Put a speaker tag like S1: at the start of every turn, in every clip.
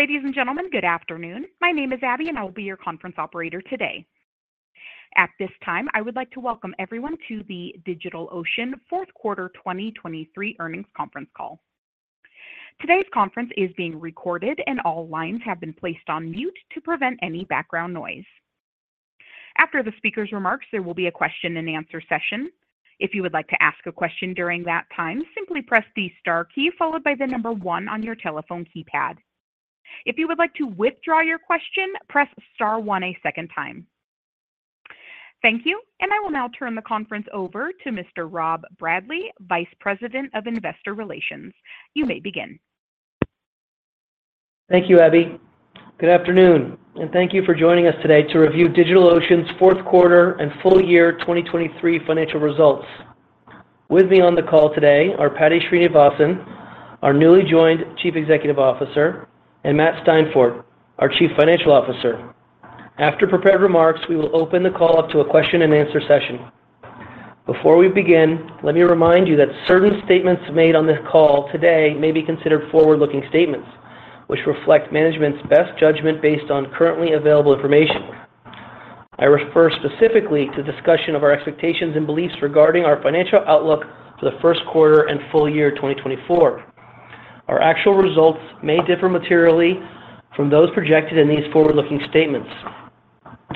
S1: Ladies and gentlemen, good afternoon. My name is Abby, and I will be your conference operator today. At this time, I would like to welcome everyone to the DigitalOcean fourth quarter 2023 earnings conference call. Today's conference is being recorded, and all lines have been placed on mute to prevent any background noise. After the speaker's remarks, there will be a question-and-answer session. If you would like to ask a question during that time, simply press the star key followed by the number one on your telephone keypad. If you would like to withdraw your question, press star one a second time. Thank you, and I will now turn the conference over to Mr. Rob Bradley, Vice President of Investor Relations. You may begin.
S2: Thank you, Abby. Good afternoon, and thank you for joining us today to review DigitalOcean's fourth quarter and full year 2023 financial results. With me on the call today are Paddy Srinivasan, our newly joined Chief Executive Officer, and Matt Steinfort, our Chief Financial Officer. After prepared remarks, we will open the call up to a question-and-answer session. Before we begin, let me remind you that certain statements made on this call today may be considered forward-looking statements, which reflect management's best judgment based on currently available information. I refer specifically to the discussion of our expectations and beliefs regarding our financial outlook for the first quarter and full year 2024. Our actual results may differ materially from those projected in these forward-looking statements.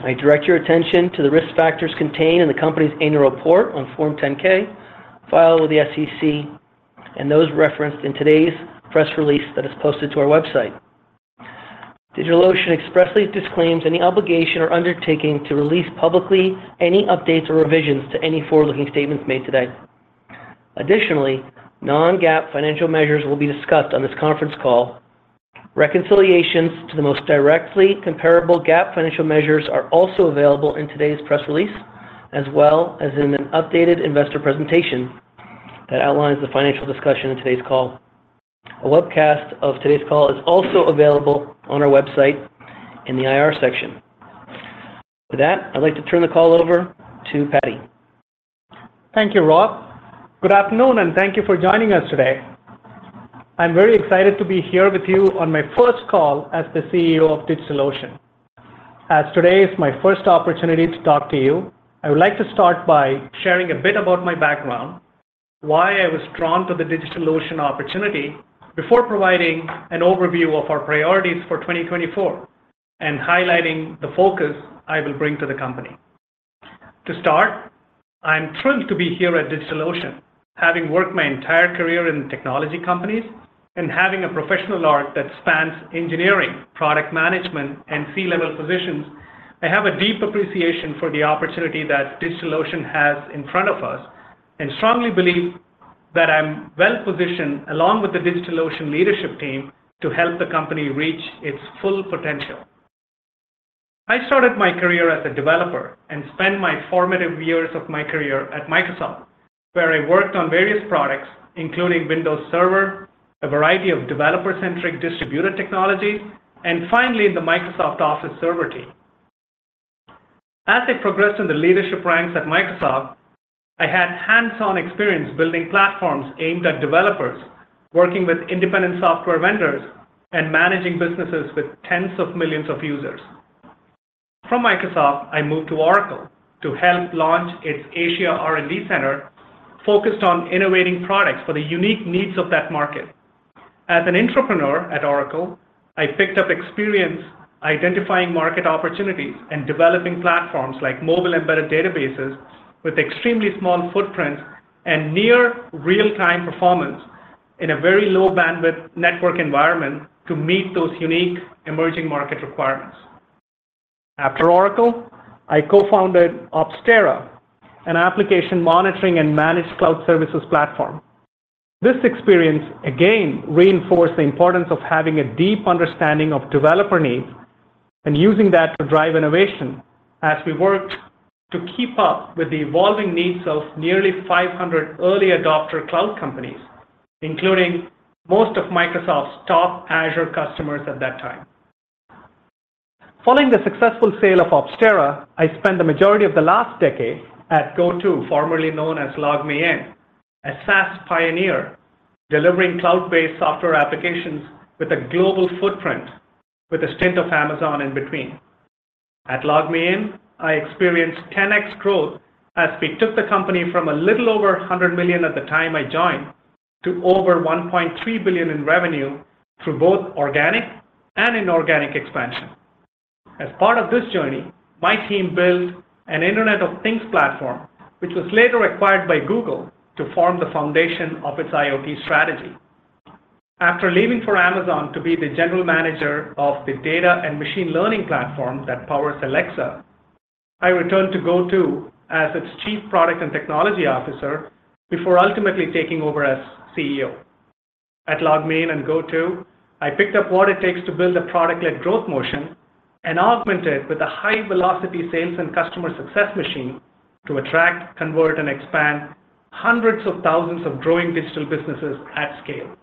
S2: I direct your attention to the risk factors contained in the company's annual report on Form 10-K filed with the SEC and those referenced in today's press release that is posted to our website. DigitalOcean expressly disclaims any obligation or undertaking to release publicly any updates or revisions to any forward-looking statements made today. Additionally, non-GAAP financial measures will be discussed on this conference call. Reconciliations to the most directly comparable GAAP financial measures are also available in today's press release, as well as in an updated investor presentation that outlines the financial discussion in today's call. A webcast of today's call is also available on our website in the IR section. With that, I'd like to turn the call over to Paddy.
S3: Thank you, Rob. Good afternoon, and thank you for joining us today. I'm very excited to be here with you on my first call as the CEO of DigitalOcean. As today is my first opportunity to talk to you, I would like to start by sharing a bit about my background, why I was drawn to the DigitalOcean opportunity, before providing an overview of our priorities for 2024 and highlighting the focus I will bring to the company. To start, I'm thrilled to be here at DigitalOcean. Having worked my entire career in technology companies and having a professional arc that spans engineering, product management, and C-level positions, I have a deep appreciation for the opportunity that DigitalOcean has in front of us and strongly believe that I'm well-positioned along with the DigitalOcean leadership team to help the company reach its full potential. I started my career as a developer and spent my formative years of my career at Microsoft, where I worked on various products, including Windows Server, a variety of developer-centric distributed technologies, and finally in the Microsoft Office Server team. As I progressed in the leadership ranks at Microsoft, I had hands-on experience building platforms aimed at developers, working with independent software vendors, and managing businesses with tens of millions of users. From Microsoft, I moved to Oracle to help launch its Asia R&D center focused on innovating products for the unique needs of that market. As an entrepreneur at Oracle, I picked up experience identifying market opportunities and developing platforms like mobile embedded databases with extremely small footprints and near-real-time performance in a very low-bandwidth network environment to meet those unique emerging market requirements. After Oracle, I co-founded Opstera, an application monitoring and managed cloud services platform. This experience, again, reinforced the importance of having a deep understanding of developer needs and using that to drive innovation as we worked to keep up with the evolving needs of nearly 500 early adopter cloud companies, including most of Microsoft's top Azure customers at that time. Following the successful sale of Opstera, I spent the majority of the last decade at GoTo, formerly known as LogMeIn, as SaaS pioneer delivering cloud-based software applications with a global footprint with a stint at Amazon in between. At LogMeIn, I experienced 10x growth as we took the company from a little over $100 million at the time I joined to over $1.3 billion in revenue through both organic and inorganic expansion. As part of this journey, my team built an Internet of Things platform, which was later acquired by Google to form the foundation of its IoT strategy. After leaving for Amazon to be the general manager of the data and machine learning platform that powers Alexa, I returned to GoTo as its Chief Product and Technology Officer before ultimately taking over as CEO. At LogMeIn and GoTo, I picked up what it takes to build a product-led growth motion and augmented with a high-velocity sales and customer success machine to attract, convert, and expand hundreds of thousands of growing digital businesses at scale.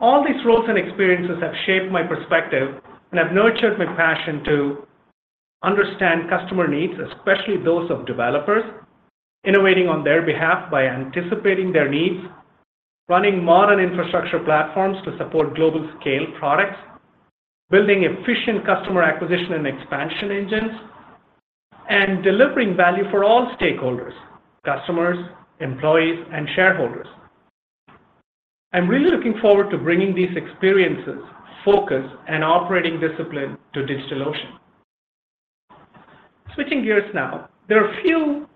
S3: All these roles and experiences have shaped my perspective and have nurtured my passion to understand customer needs, especially those of developers, innovating on their behalf by anticipating their needs, running modern infrastructure platforms to support global-scale products, building efficient customer acquisition and expansion engines, and delivering value for all stakeholders: customers, employees, and shareholders. I'm really looking forward to bringing these experiences, focus, and operating discipline to DigitalOcean. Switching gears now, there are a few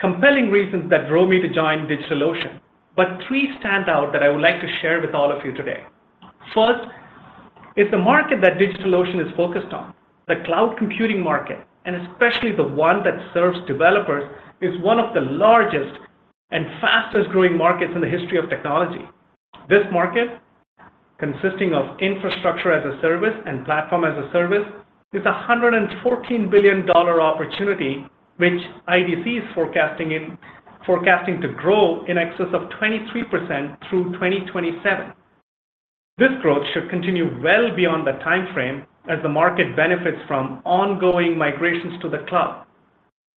S3: compelling reasons that drove me to join DigitalOcean, but three stand out that I would like to share with all of you today. First is the market that DigitalOcean is focused on. The cloud computing market, and especially the one that serves developers, is one of the largest and fastest-growing markets in the history of technology. This market, consisting of infrastructure as a service and platform as a service, is a $114 billion opportunity, which IDC is forecasting to grow in excess of 23% through 2027. This growth should continue well beyond the time frame as the market benefits from ongoing migrations to the cloud,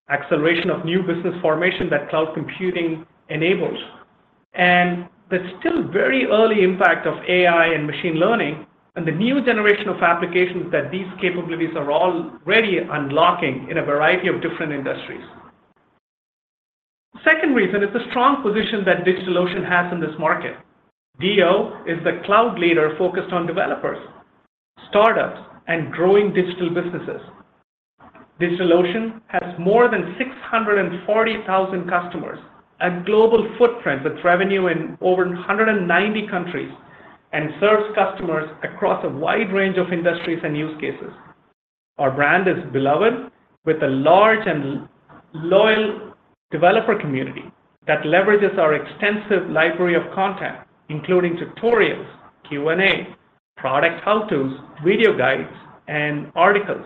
S3: acceleration of new business formation that cloud computing enables, and the still very early impact of AI and machine learning and the new generation of applications that these capabilities are already unlocking in a variety of different industries. The second reason is the strong position that DigitalOcean has in this market. DO is the cloud leader focused on developers, startups, and growing digital businesses. DigitalOcean has more than 640,000 customers, a global footprint with revenue in over 190 countries, and serves customers across a wide range of industries and use cases. Our brand is beloved with a large and loyal developer community that leverages our extensive library of content, including tutorials, Q&A, product how-tos, video guides, and articles.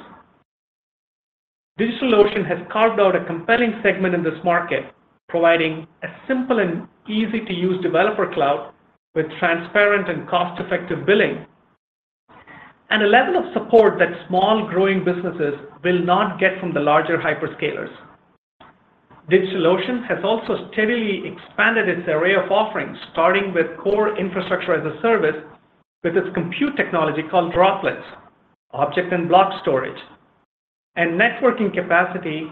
S3: DigitalOcean has carved out a compelling segment in this market, providing a simple and easy-to-use developer cloud with transparent and cost-effective billing and a level of support that small, growing businesses will not get from the larger hyperscalers. DigitalOcean has also steadily expanded its array of offerings, starting with core infrastructure as a service with its compute technology called Droplets, object and block storage, and networking capacity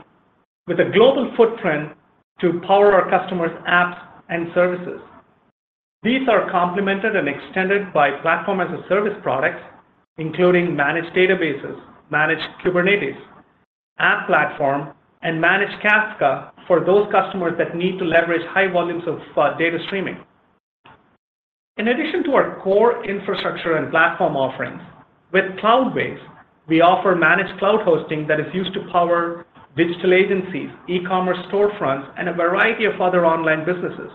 S3: with a global footprint to power our customers' apps and services. These are complemented and extended by platform-as-a-service products, including Managed Databases, Managed Kubernetes, App Platform, and Managed Kafka for those customers that need to leverage high volumes of data streaming. In addition to our core infrastructure and platform offerings, with Cloudways, we offer managed cloud hosting that is used to power digital agencies, e-commerce storefronts, and a variety of other online businesses.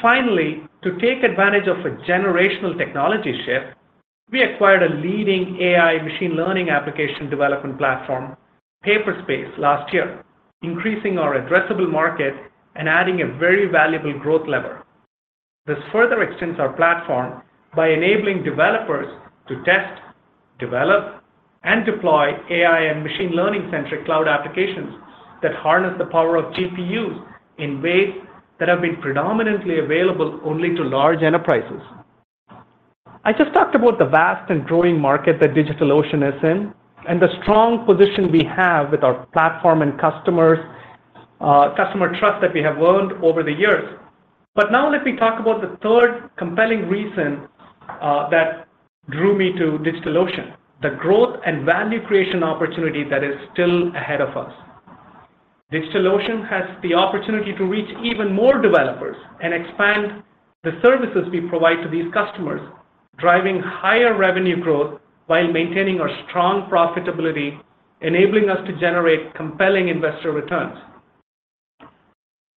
S3: Finally, to take advantage of a generational technology shift, we acquired a leading AI machine learning application development platform, Paperspace, last year, increasing our addressable market and adding a very valuable growth lever. This further extends our platform by enabling developers to test, develop, and deploy AI and machine learning-centric cloud applications that harness the power of GPUs in ways that have been predominantly available only to large enterprises. I just talked about the vast and growing market that DigitalOcean is in and the strong position we have with our platform and customers' customer trust that we have earned over the years. But now let me talk about the third compelling reason that drew me to DigitalOcean, the growth and value creation opportunity that is still ahead of us. DigitalOcean has the opportunity to reach even more developers and expand the services we provide to these customers, driving higher revenue growth while maintaining our strong profitability, enabling us to generate compelling investor returns.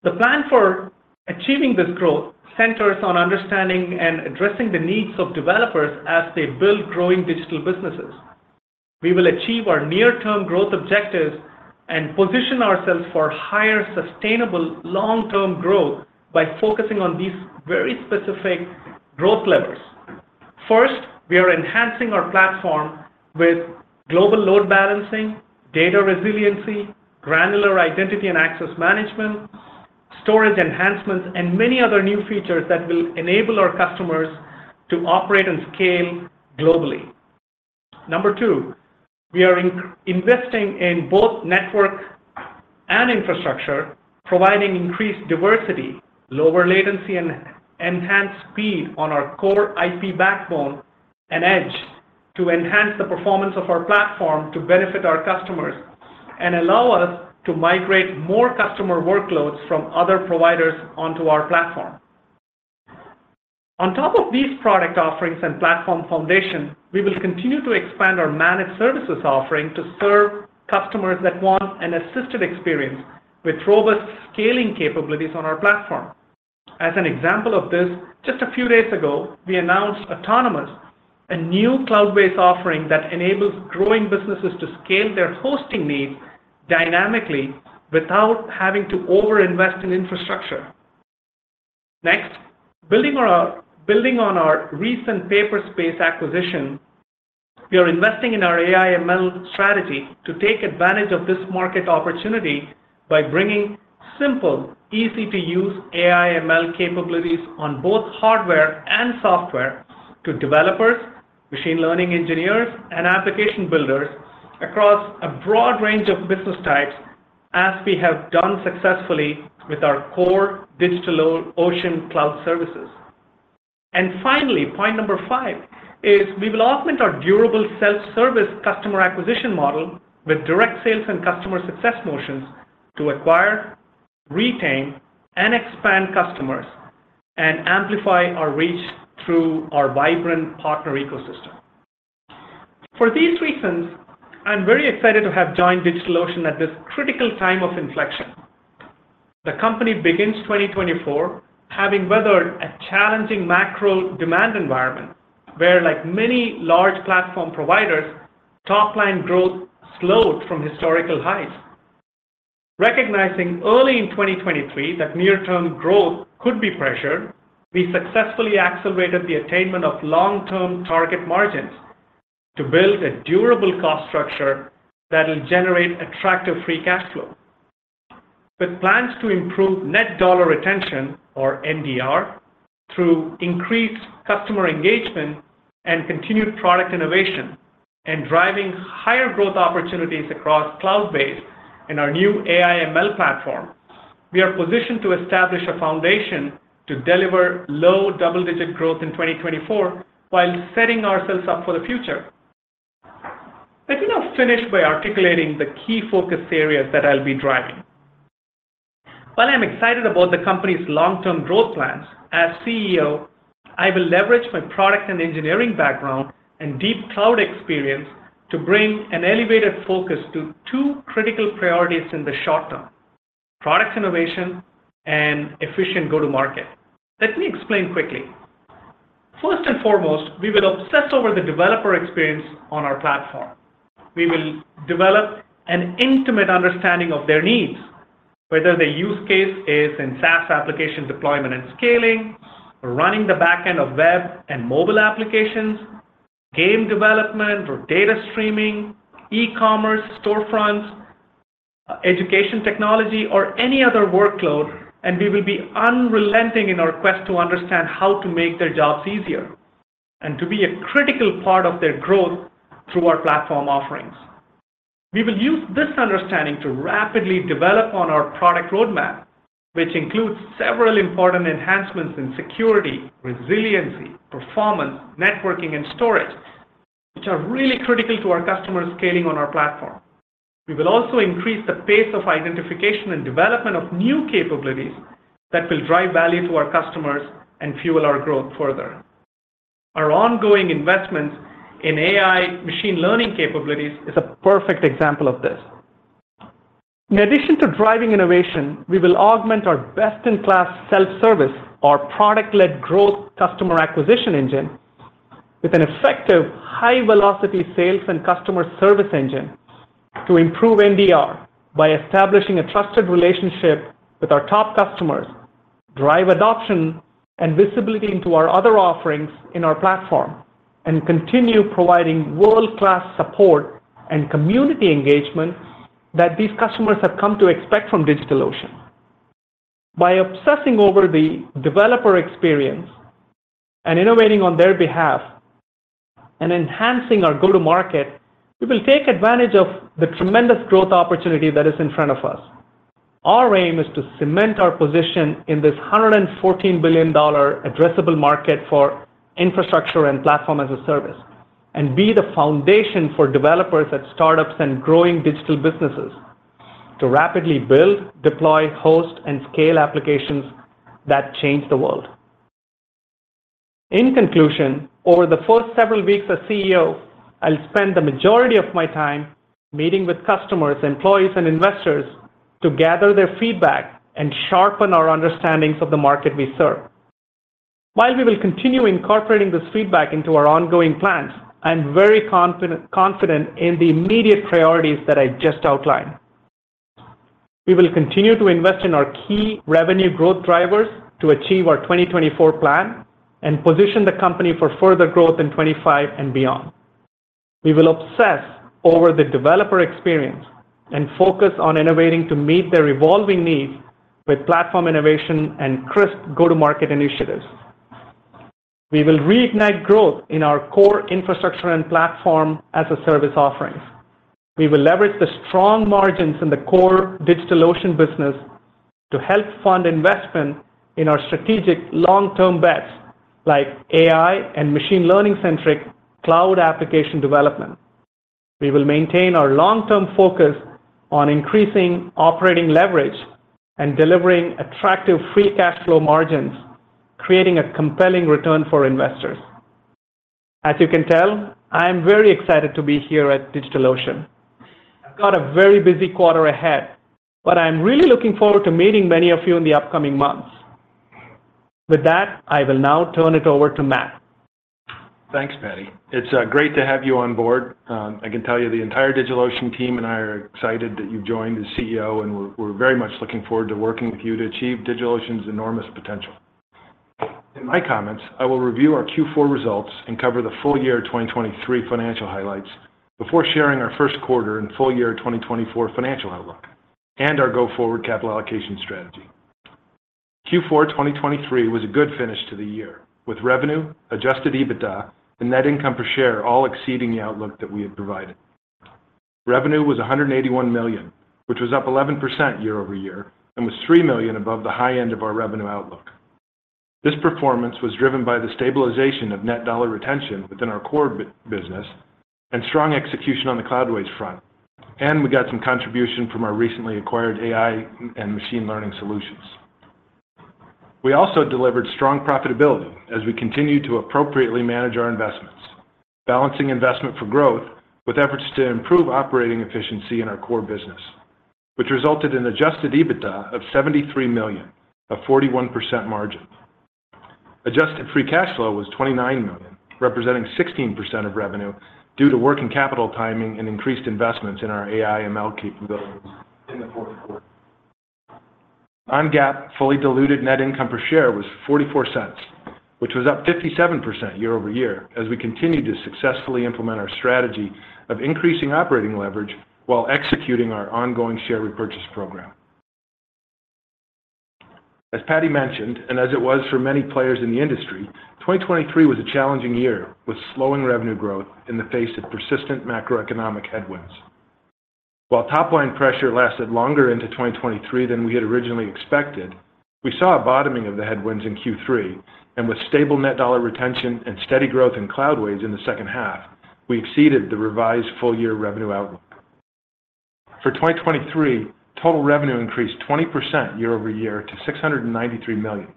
S3: The plan for achieving this growth centers on understanding and addressing the needs of developers as they build growing digital businesses. We will achieve our near-term growth objectives and position ourselves for higher, sustainable, long-term growth by focusing on these very specific growth levers. First, we are enhancing our platform with Global Load Balancers, data resiliency, granular identity and access management, storage enhancements, and many other new features that will enable our customers to operate and scale globally. Number two, we are investing in both network and infrastructure, providing increased diversity, lower latency, and enhanced speed on our core IP backbone and edge to enhance the performance of our platform to benefit our customers and allow us to migrate more customer workloads from other providers onto our platform. On top of these product offerings and platform foundation, we will continue to expand our managed services offering to serve customers that want an assisted experience with robust scaling capabilities on our platform. As an example of this, just a few days ago, we announced Autonomous, a new cloud-based offering that enables growing businesses to scale their hosting needs dynamically without having to over-invest in infrastructure. Next, building on our recent Paperspace acquisition, we are investing in our AI/ML strategy to take advantage of this market opportunity by bringing simple, easy-to-use AI/ML capabilities on both hardware and software to developers, machine learning engineers, and application builders across a broad range of business types, as we have done successfully with our core DigitalOcean cloud services. Finally, point number 5 is we will augment our durable self-service customer acquisition model with direct sales and customer success motions to acquire, retain, and expand customers and amplify our reach through our vibrant partner ecosystem. For these reasons, I'm very excited to have joined DigitalOcean at this critical time of inflection. The company begins 2024 having weathered a challenging macro demand environment where, like many large platform providers, top-line growth slowed from historical highs. Recognizing early in 2023 that near-term growth could be pressured, we successfully accelerated the attainment of long-term target margins to build a durable cost structure that will generate attractive Free Cash Flow, with plans to improve Net Dollar Retention, or NDR, through increased customer engagement and continued product innovation, and driving higher growth opportunities across cloud-based and our new AI/ML platform. We are positioned to establish a foundation to deliver low double-digit growth in 2024 while setting ourselves up for the future. Let me now finish by articulating the key focus areas that I'll be driving. While I'm excited about the company's long-term growth plans, as CEO, I will leverage my product and engineering background and deep cloud experience to bring an elevated focus to two critical priorities in the short term: product innovation and efficient go-to-market. Let me explain quickly. First and foremost, we will obsess over the developer experience on our platform. We will develop an intimate understanding of their needs, whether their use case is in SaaS application deployment and scaling, running the backend of web and mobile applications, game development or data streaming, e-commerce storefronts, education technology, or any other workload. We will be unrelenting in our quest to understand how to make their jobs easier and to be a critical part of their growth through our platform offerings. We will use this understanding to rapidly develop on our product roadmap, which includes several important enhancements in security, resiliency, performance, networking, and storage, which are really critical to our customers' scaling on our platform. We will also increase the pace of identification and development of new capabilities that will drive value to our customers and fuel our growth further. Our ongoing investments in AI machine learning capabilities are a perfect example of this. In addition to driving innovation, we will augment our best-in-class self-service, our product-led growth customer acquisition engine, with an effective high-velocity sales and customer service engine to improve NDR by establishing a trusted relationship with our top customers, driving adoption and visibility into our other offerings in our platform, and continuing to provide world-class support and community engagement that these customers have come to expect from DigitalOcean. By obsessing over the developer experience and innovating on their behalf and enhancing our go-to-market, we will take advantage of the tremendous growth opportunity that is in front of us. Our aim is to cement our position in this $114 billion addressable market for infrastructure and platform as a service and be the foundation for developers at startups and growing digital businesses to rapidly build, deploy, host, and scale applications that change the world. In conclusion, over the first several weeks as CEO, I'll spend the majority of my time meeting with customers, employees, and investors to gather their feedback and sharpen our understandings of the market we serve. While we will continue incorporating this feedback into our ongoing plans, I'm very confident in the immediate priorities that I just outlined. We will continue to invest in our key revenue growth drivers to achieve our 2024 plan and position the company for further growth in 2025 and beyond. We will obsess over the developer experience and focus on innovating to meet their evolving needs with platform innovation and crisp go-to-market initiatives. We will reignite growth in our core infrastructure and platform as a service offerings. We will leverage the strong margins in the core DigitalOcean business to help fund investment in our strategic long-term bets like AI and machine learning-centric cloud application development. We will maintain our long-term focus on increasing operating leverage and delivering attractive free cash flow margins, creating a compelling return for investors. As you can tell, I am very excited to be here at DigitalOcean. I've got a very busy quarter ahead, but I am really looking forward to meeting many of you in the upcoming months. With that, I will now turn it over to Matt.
S4: Thanks, Paddy. It's great to have you on board. I can tell you the entire DigitalOcean team and I are excited that you've joined as CEO, and we're very much looking forward to working with you to achieve DigitalOcean's enormous potential. In my comments, I will review our Q4 results and cover the full year 2023 financial highlights before sharing our first quarter and full year 2024 financial outlook and our go-forward capital allocation strategy. Q4 2023 was a good finish to the year, with revenue, Adjusted EBITDA, and net income per share all exceeding the outlook that we had provided. Revenue was $181 million, which was up 11% year-over-year and was $3 million above the high end of our revenue outlook. This performance was driven by the stabilization of net dollar retention within our core business and strong execution on the Cloudways front, and we got some contribution from our recently acquired AI and machine learning solutions. We also delivered strong profitability as we continued to appropriately manage our investments, balancing investment for growth with efforts to improve operating efficiency in our core business, which resulted in Adjusted EBITDA of $73 million, a 41% margin. Adjusted free cash flow was $29 million, representing 16% of revenue due to working capital timing and increased investments in our AI/ML capabilities in the fourth quarter. Non-GAAP fully diluted net income per share was $0.44, which was up 57% year-over-year as we continued to successfully implement our strategy of increasing operating leverage while executing our ongoing share repurchase program. As Paddy mentioned and as it was for many players in the industry, 2023 was a challenging year with slowing revenue growth in the face of persistent macroeconomic headwinds. While top-line pressure lasted longer into 2023 than we had originally expected, we saw a bottoming of the headwinds in Q3. And with stable net dollar retention and steady growth in Cloudways in the second half, we exceeded the revised full-year revenue outlook. For 2023, total revenue increased 20% year-over-year to $693 million.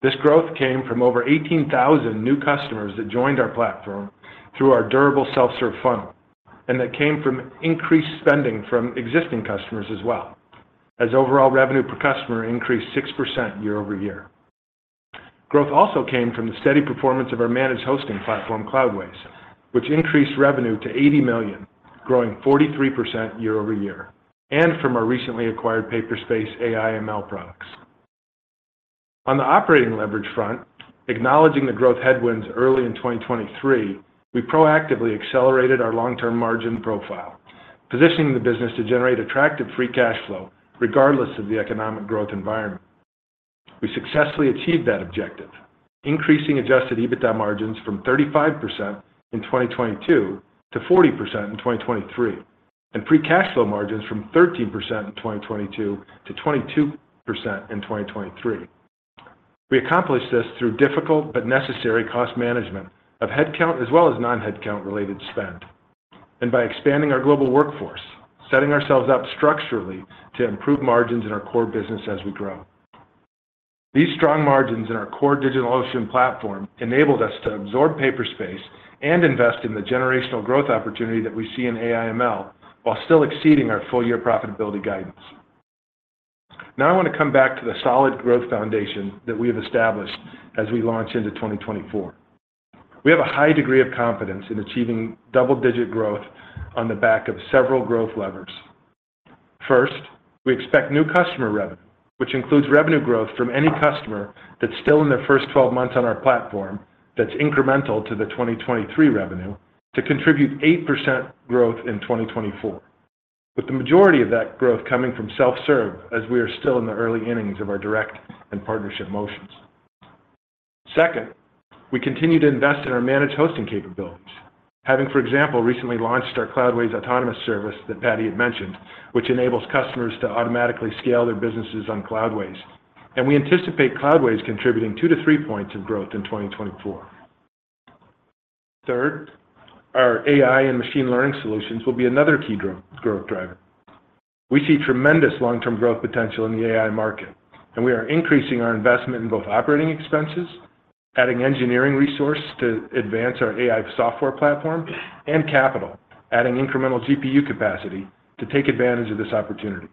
S4: This growth came from over 18,000 new customers that joined our platform through our durable self-serve funnel and that came from increased spending from existing customers as well, as overall revenue per customer increased 6% year-over-year. Growth also came from the steady performance of our managed hosting platform, Cloudways, which increased revenue to $80 million, growing 43% year-over-year, and from our recently acquired Paperspace AI/ML products. On the operating leverage front, acknowledging the growth headwinds early in 2023, we proactively accelerated our long-term margin profile, positioning the business to generate attractive free cash flow regardless of the economic growth environment. We successfully achieved that objective, increasing Adjusted EBITDA margins from 35% in 2022 to 40% in 2023 and free cash flow margins from 13% in 2022 to 22% in 2023. We accomplished this through difficult but necessary cost management of headcount as well as non-headcount-related spend and by expanding our global workforce, setting ourselves up structurally to improve margins in our core business as we grow. These strong margins in our core DigitalOcean platform enabled us to absorb Paperspace and invest in the generational growth opportunity that we see in AI/ML while still exceeding our full-year profitability guidance. Now I want to come back to the solid growth foundation that we have established as we launch into 2024. We have a high degree of confidence in achieving double-digit growth on the back of several growth levers. First, we expect new customer revenue, which includes revenue growth from any customer that's still in their first 12 months on our platform that's incremental to the 2023 revenue, to contribute 8% growth in 2024, with the majority of that growth coming from self-serve as we are still in the early innings of our direct and partnership motions. Second, we continue to invest in our managed hosting capabilities, having, for example, recently launched our Cloudways Autonomous service that Paddy had mentioned, which enables customers to automatically scale their businesses on Cloudways. We anticipate Cloudways contributing 2-3 points of growth in 2024. Third, our AI and machine learning solutions will be another key growth driver. We see tremendous long-term growth potential in the AI market, and we are increasing our investment in both operating expenses, adding engineering resources to advance our AI software platform, and capital, adding incremental GPU capacity to take advantage of this opportunity.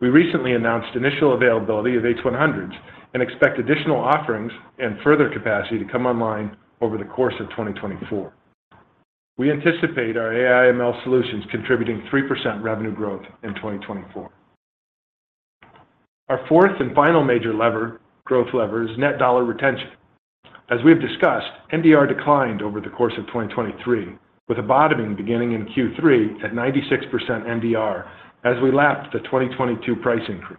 S4: We recently announced initial availability of H100s and expect additional offerings and further capacity to come online over the course of 2024. We anticipate our AI/ML solutions contributing 3% revenue growth in 2024. Our fourth and final major growth lever is net dollar retention. As we have discussed, NDR declined over the course of 2023, with a bottoming beginning in Q3 at 96% NDR as we lapped the 2022 price increase.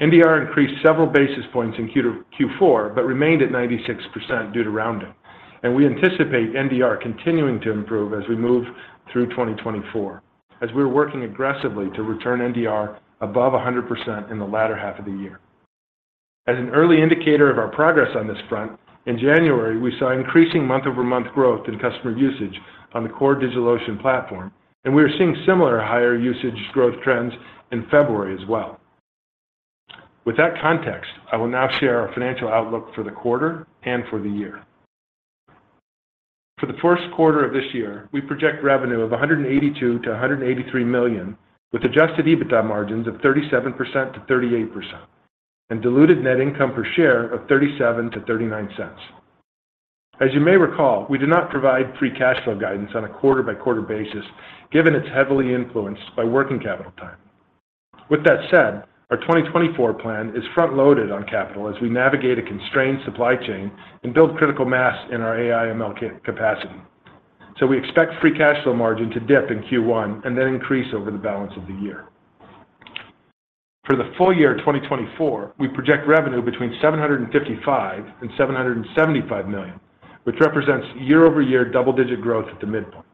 S4: NDR increased several basis points in Q4 but remained at 96% due to rounding. We anticipate NDR continuing to improve as we move through 2024, as we are working aggressively to return NDR above 100% in the latter half of the year. As an early indicator of our progress on this front, in January, we saw increasing month-over-month growth in customer usage on the core DigitalOcean platform, and we are seeing similar higher usage growth trends in February as well. With that context, I will now share our financial outlook for the quarter and for the year. For the first quarter of this year, we project revenue of $182 million-$183 million, with adjusted EBITDA margins of 37%-38% and diluted net income per share of $0.37-$0.39. As you may recall, we do not provide free cash flow guidance on a quarter-by-quarter basis given it's heavily influenced by working capital time. With that said, our 2024 plan is front-loaded on capital as we navigate a constrained supply chain and build critical mass in our AI/ML capacity. So we expect free cash flow margin to dip in Q1 and then increase over the balance of the year. For the full year 2024, we project revenue between $755 million and $775 million, which represents year-over-year double-digit growth at the midpoint.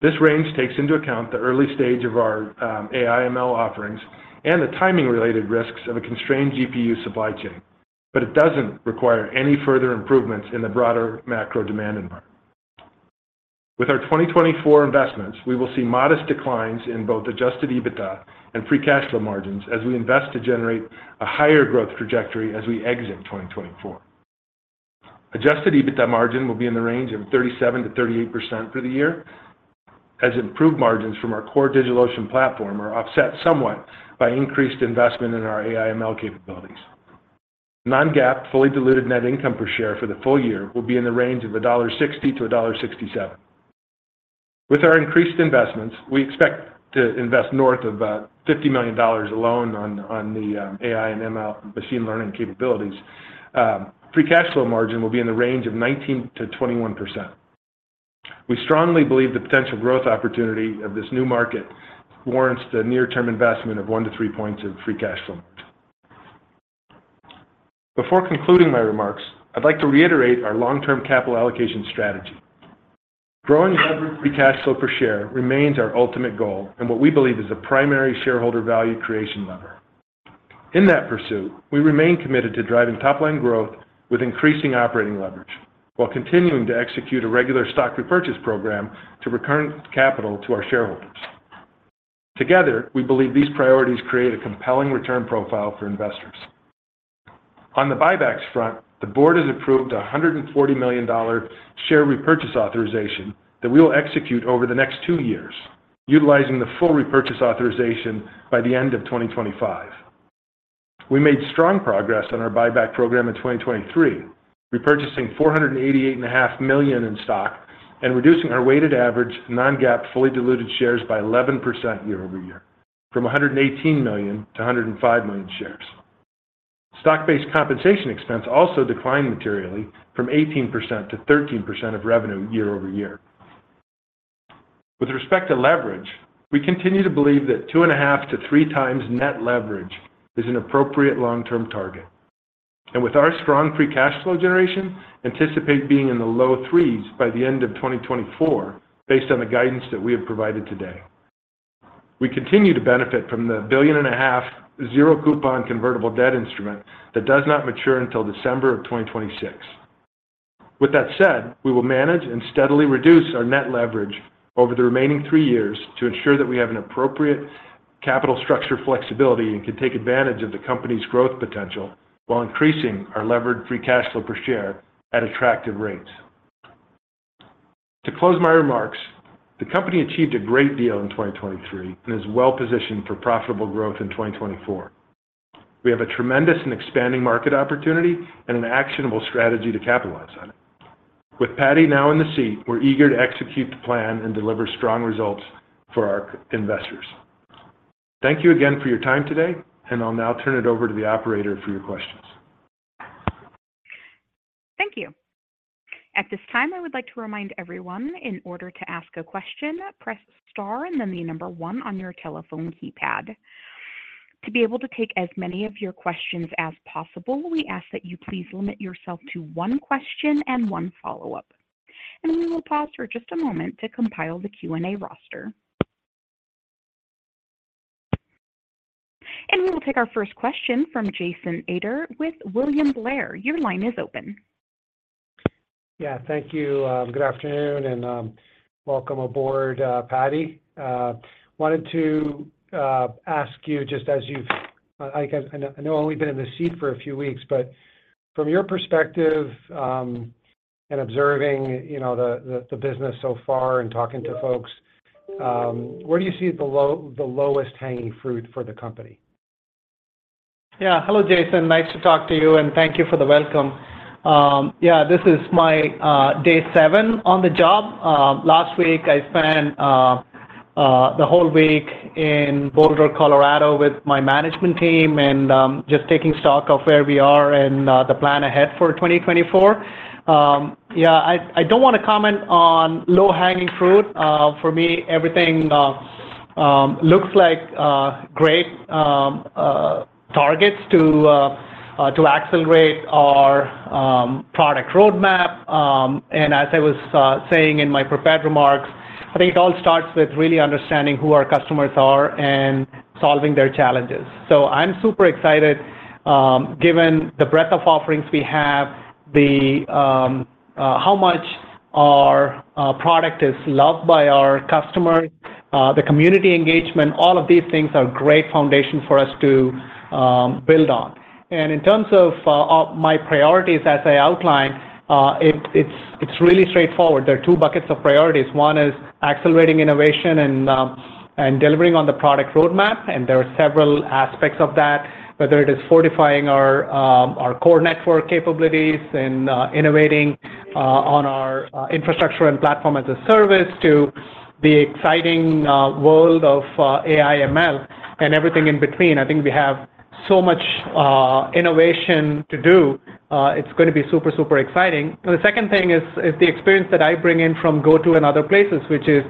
S4: This range takes into account the early stage of our AI/ML offerings and the timing-related risks of a constrained GPU supply chain, but it doesn't require any further improvements in the broader macro demand environment. With our 2024 investments, we will see modest declines in both Adjusted EBITDA and free cash flow margins as we invest to generate a higher growth trajectory as we exit 2024. Adjusted EBITDA margin will be in the range of 37%-38% for the year, as improved margins from our core DigitalOcean platform are offset somewhat by increased investment in our AI/ML capabilities. Non-GAAP, fully diluted net income per share for the full year will be in the range of $1.60-$1.67. With our increased investments, we expect to invest north of $50 million alone on the AI and ML machine learning capabilities. Free cash flow margin will be in the range of 19%-21%. We strongly believe the potential growth opportunity of this new market warrants the near-term investment of 1-3 points of free cash flow margin. Before concluding my remarks, I'd like to reiterate our long-term capital allocation strategy. Growing levered free cash flow per share remains our ultimate goal and what we believe is a primary shareholder value creation lever. In that pursuit, we remain committed to driving top-line growth with increasing operating leverage while continuing to execute a regular stock repurchase program to return capital to our shareholders. Together, we believe these priorities create a compelling return profile for investors. On the buybacks front, the board has approved a $140 million share repurchase authorization that we will execute over the next 2 years, utilizing the full repurchase authorization by the end of 2025. We made strong progress on our buyback program in 2023, repurchasing $488.5 million in stock and reducing our weighted average non-GAAP, fully diluted shares by 11% year-over-year from 118 million to 105 million shares. Stock-based compensation expense also declined materially from 18% to 13% of revenue year-over-year. With respect to leverage, we continue to believe that 2.5-3 times net leverage is an appropriate long-term target. And with our strong free cash flow generation, we anticipate being in the low threes by the end of 2024 based on the guidance that we have provided today. We continue to benefit from the $1.5 billion zero-coupon convertible debt instrument that does not mature until December of 2026. With that said, we will manage and steadily reduce our net leverage over the remaining three years to ensure that we have an appropriate capital structure flexibility and can take advantage of the company's growth potential while increasing our levered free cash flow per share at attractive rates. To close my remarks, the company achieved a great deal in 2023 and is well-positioned for profitable growth in 2024. We have a tremendous and expanding market opportunity and an actionable strategy to capitalize on it. With Paddy now in the seat, we're eager to execute the plan and deliver strong results for our investors. Thank you again for your time today, and I'll now turn it over to the operator for your questions.
S1: Thank you. At this time, I would like to remind everyone, in order to ask a question, press star and then 1 on your telephone keypad. To be able to take as many of your questions as possible, we ask that you please limit yourself to one question and one follow-up. We will pause for just a moment to compile the Q&A roster. We will take our first question from Jason Ader with William Blair. Your line is open.
S5: Yeah. Thank you. Good afternoon and welcome aboard, Paddy. Wanted to ask you. I know I've only been in the seat for a few weeks, but from your perspective and observing the business so far and talking to folks, where do you see the lowest hanging fruit for the company?
S3: Yeah. Hello, Jason. Nice to talk to you, and thank you for the welcome. Yeah, this is my day seven on the job. Last week, I spent the whole week in Boulder, Colorado, with my management team and just taking stock of where we are and the plan ahead for 2024. Yeah, I don't want to comment on low hanging fruit. For me, everything looks like great targets to accelerate our product roadmap. And as I was saying in my prepared remarks, I think it all starts with really understanding who our customers are and solving their challenges. So I'm super excited given the breadth of offerings we have, how much our product is loved by our customers, the community engagement, all of these things are great foundations for us to build on. And in terms of my priorities, as I outlined, it's really straightforward. There are two buckets of priorities. One is accelerating innovation and delivering on the product roadmap. There are several aspects of that, whether it is fortifying our core network capabilities and innovating on our infrastructure and platform as a service to the exciting world of AI/ML and everything in between. I think we have so much innovation to do. It's going to be super, super exciting. The second thing is the experience that I bring in from GoTo and other places, which is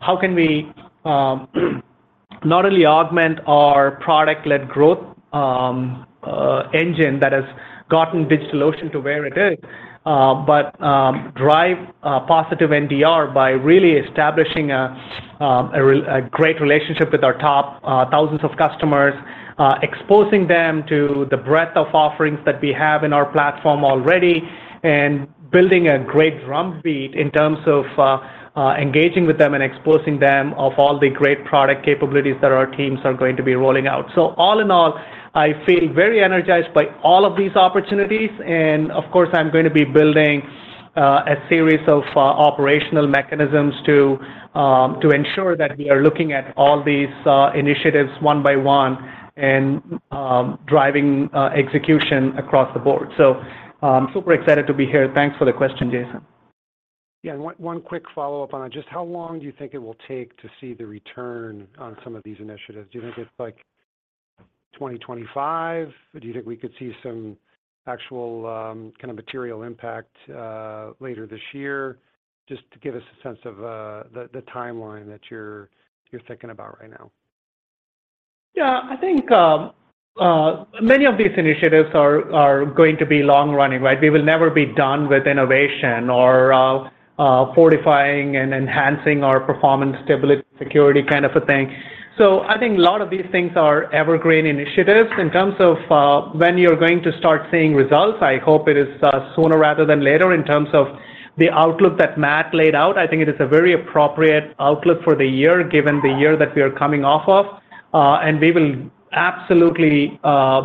S3: how can we not only augment our product-led growth engine that has gotten DigitalOcean to where it is but drive positive NDR by really establishing a great relationship with our top thousands of customers, exposing them to the breadth of offerings that we have in our platform already, and building a great drumbeat in terms of engaging with them and exposing them of all the great product capabilities that our teams are going to be rolling out. So all in all, I feel very energized by all of these opportunities. And of course, I'm going to be building a series of operational mechanisms to ensure that we are looking at all these initiatives one by one and driving execution across the board. So super excited to be here. Thanks for the question, Jason.
S5: Yeah. And one quick follow-up on that. Just how long do you think it will take to see the return on some of these initiatives? Do you think it's like 2025? Do you think we could see some actual kind of material impact later this year? Just to give us a sense of the timeline that you're thinking about right now.
S3: Yeah. I think many of these initiatives are going to be long-running, right? We will never be done with innovation or fortifying and enhancing our performance, stability, security kind of a thing. I think a lot of these things are evergreen initiatives. In terms of when you're going to start seeing results, I hope it is sooner rather than later. In terms of the outlook that Matt laid out, I think it is a very appropriate outlook for the year given the year that we are coming off of. We will absolutely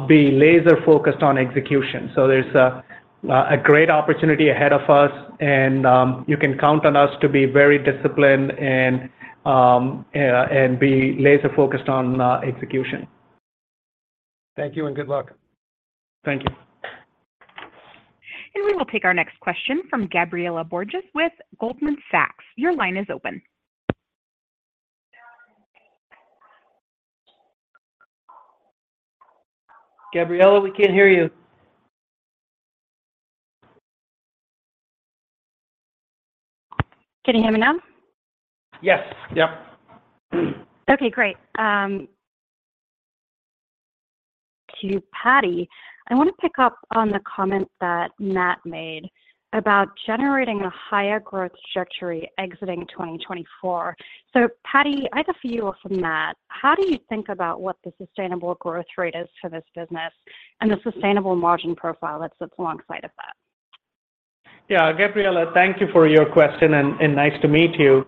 S3: be laser-focused on execution. There's a great opportunity ahead of us, and you can count on us to be very disciplined and be laser-focused on execution.
S5: Thank you and good luck.
S3: Thank you.
S1: We will take our next question from Gabriela Borges with Goldman Sachs. Your line is open.
S3: Gabriela, we can't hear you. Can you hear me now? Yes. Yep.
S6: Okay. Great. To Paddy, I want to pick up on the comment that Matt made about generating a higher growth trajectory exiting 2024. So Paddy, I have a few from Matt. How do you think about what the sustainable growth rate is for this business and the sustainable margin profile that sits alongside of that?
S3: Yeah. Gabriela, thank you for your question, and nice to meet you.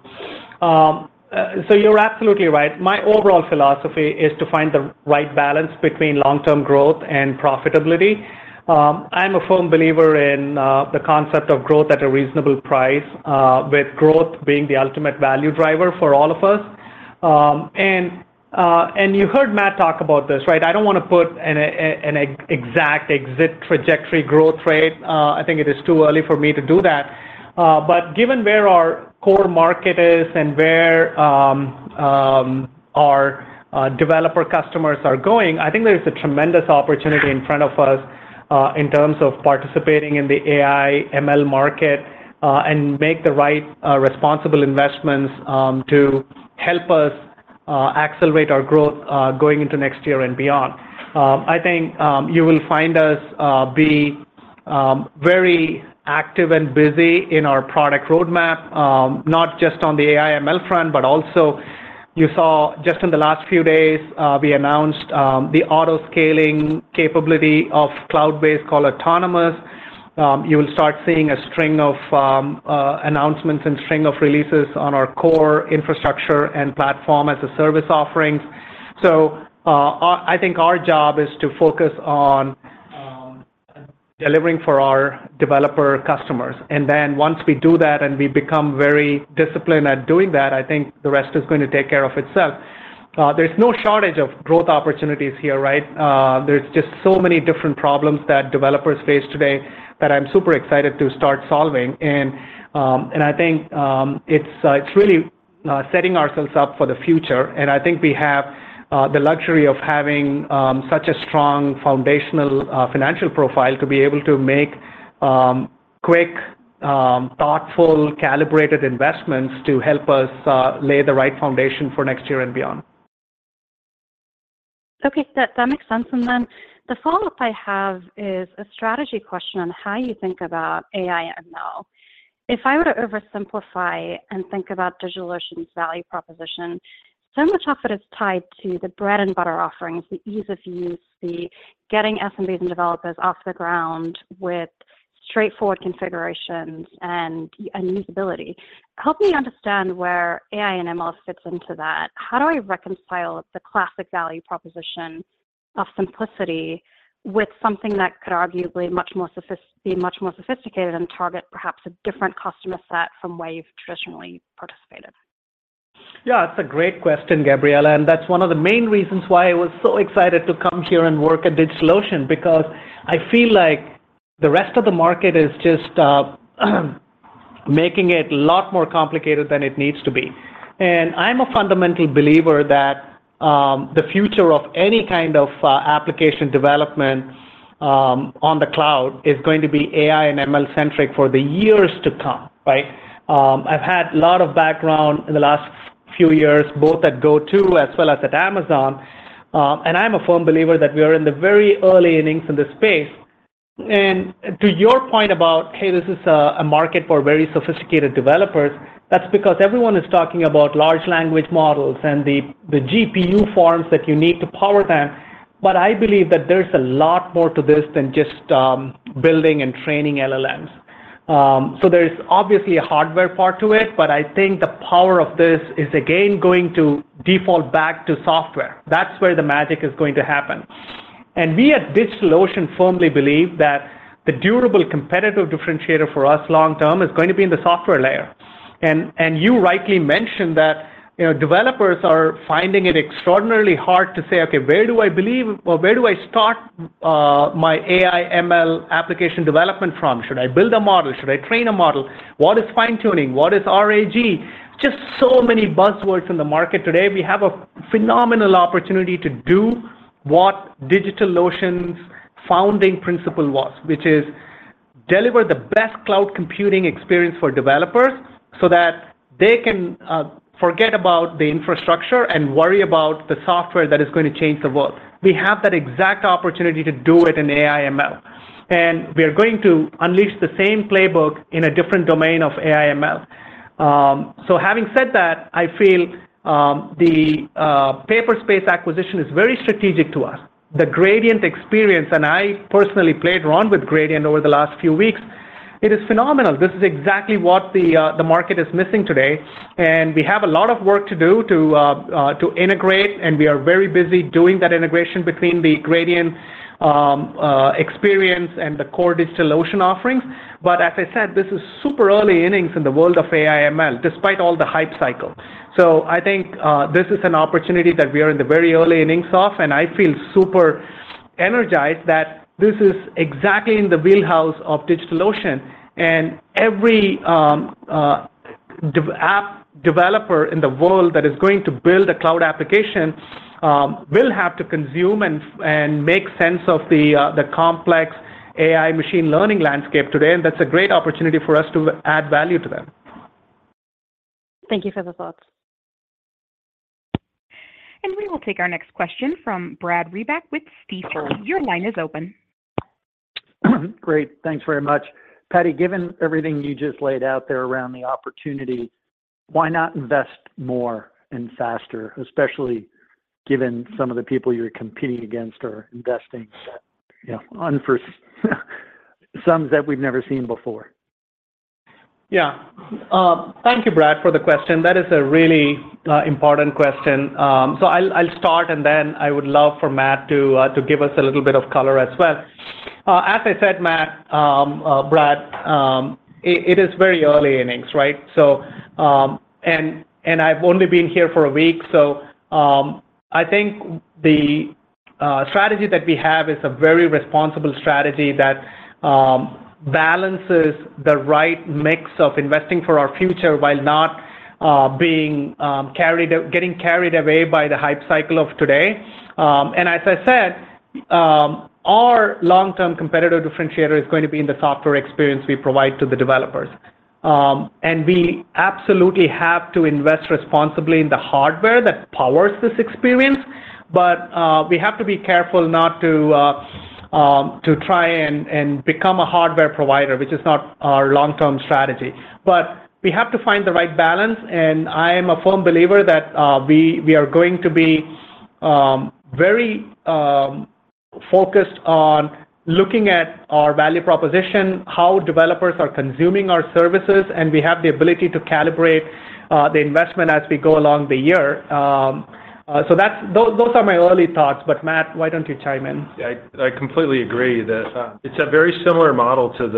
S3: So you're absolutely right. My overall philosophy is to find the right balance between long-term growth and profitability. I'm a firm believer in the concept of growth at a reasonable price, with growth being the ultimate value driver for all of us. And you heard Matt talk about this, right? I don't want to put an exact exit trajectory growth rate. I think it is too early for me to do that. But given where our core market is and where our developer customers are going, I think there is a tremendous opportunity in front of us in terms of participating in the AI/ML market and make the right responsible investments to help us accelerate our growth going into next year and beyond. I think you will find us to be very active and busy in our product roadmap, not just on the AI/ML front, but also you saw just in the last few days, we announced the autoscaling capability of Cloudways Autonomous. You will start seeing a string of announcements and string of releases on our core infrastructure and platform as a service offerings. So I think our job is to focus on delivering for our developer customers. And then once we do that and we become very disciplined at doing that, I think the rest is going to take care of itself. There's no shortage of growth opportunities here, right? There's just so many different problems that developers face today that I'm super excited to start solving. And I think it's really setting ourselves up for the future. I think we have the luxury of having such a strong foundational financial profile to be able to make quick, thoughtful, calibrated investments to help us lay the right foundation for next year and beyond.
S6: Okay. That makes sense. And then the follow-up I have is a strategy question on how you think about AI and ML. If I were to oversimplify and think about DigitalOcean's value proposition, so much of it is tied to the bread-and-butter offerings, the ease of use, the getting SMBs and developers off the ground with straightforward configurations and usability. Help me understand where AI and ML fits into that. How do I reconcile the classic value proposition of simplicity with something that could arguably be much more sophisticated and target perhaps a different customer set from where you've traditionally participated?
S3: Yeah. It's a great question, Gabriela. That's one of the main reasons why I was so excited to come here and work at DigitalOcean because I feel like the rest of the market is just making it a lot more complicated than it needs to be. I'm a fundamental believer that the future of any kind of application development on the cloud is going to be AI and ML-centric for the years to come, right? I've had a lot of background in the last few years, both at GoTo as well as at Amazon. I'm a firm believer that we are in the very early innings in this space. To your point about, "Hey, this is a market for very sophisticated developers," that's because everyone is talking about large language models and the GPU farms that you need to power them. But I believe that there's a lot more to this than just building and training LLMs. So there's obviously a hardware part to it, but I think the power of this is, again, going to default back to software. That's where the magic is going to happen. And we at DigitalOcean firmly believe that the durable competitive differentiator for us long-term is going to be in the software layer. And you rightly mentioned that developers are finding it extraordinarily hard to say, "Okay, where do I believe or where do I start my AI/ML application development from? Should I build a model? Should I train a model? What is fine-tuning? What is RAG?" Just so many buzzwords in the market today. We have a phenomenal opportunity to do what DigitalOcean's founding principle was, which is deliver the best cloud computing experience for developers so that they can forget about the infrastructure and worry about the software that is going to change the world. We have that exact opportunity to do it in AI/ML. We are going to unleash the same playbook in a different domain of AI/ML. Having said that, I feel the Paperspace acquisition is very strategic to us. The Gradient experience - and I personally played around with Gradient over the last few weeks - it is phenomenal. This is exactly what the market is missing today. We have a lot of work to do to integrate, and we are very busy doing that integration between the Gradient experience and the core DigitalOcean offerings. As I said, this is super early innings in the world of AI/ML despite all the hype cycle. I think this is an opportunity that we are in the very early innings of. I feel super energized that this is exactly in the wheelhouse of DigitalOcean. Every app developer in the world that is going to build a cloud application will have to consume and make sense of the complex AI machine learning landscape today. That's a great opportunity for us to add value to them.
S6: Thank you for the thoughts.
S1: We will take our next question from Brad Reback with Stifel. Your line is open.
S7: Great. Thanks very much. Paddy, given everything you just laid out there around the opportunity, why not invest more and faster, especially given some of the people you're competing against or investing unforeseen sums that we've never seen before?
S3: Yeah. Thank you, Brad, for the question. That is a really important question. So I'll start, and then I would love for Matt to give us a little bit of color as well. As I said, Brad, it is very early innings, right? And I've only been here for a week. So I think the strategy that we have is a very responsible strategy that balances the right mix of investing for our future while not getting carried away by the hype cycle of today. And as I said, our long-term competitive differentiator is going to be in the software experience we provide to the developers. And we absolutely have to invest responsibly in the hardware that powers this experience. But we have to be careful not to try and become a hardware provider, which is not our long-term strategy. But we have to find the right balance. I am a firm believer that we are going to be very focused on looking at our value proposition, how developers are consuming our services, and we have the ability to calibrate the investment as we go along the year. Those are my early thoughts. But Matt, why don't you chime in?
S4: Yeah. I completely agree that it's a very similar model to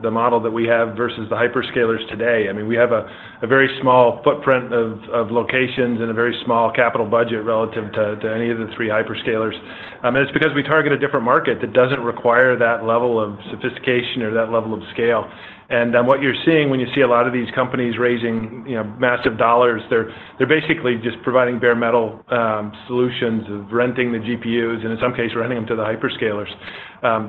S4: the model that we have versus the hyperscalers today. I mean, we have a very small footprint of locations and a very small capital budget relative to any of the three hyperscalers. It's because we target a different market that doesn't require that level of sophistication or that level of scale. What you're seeing when you see a lot of these companies raising massive dollars, they're basically just providing bare metal solutions of renting the GPUs and, in some cases, renting them to the hyperscalers.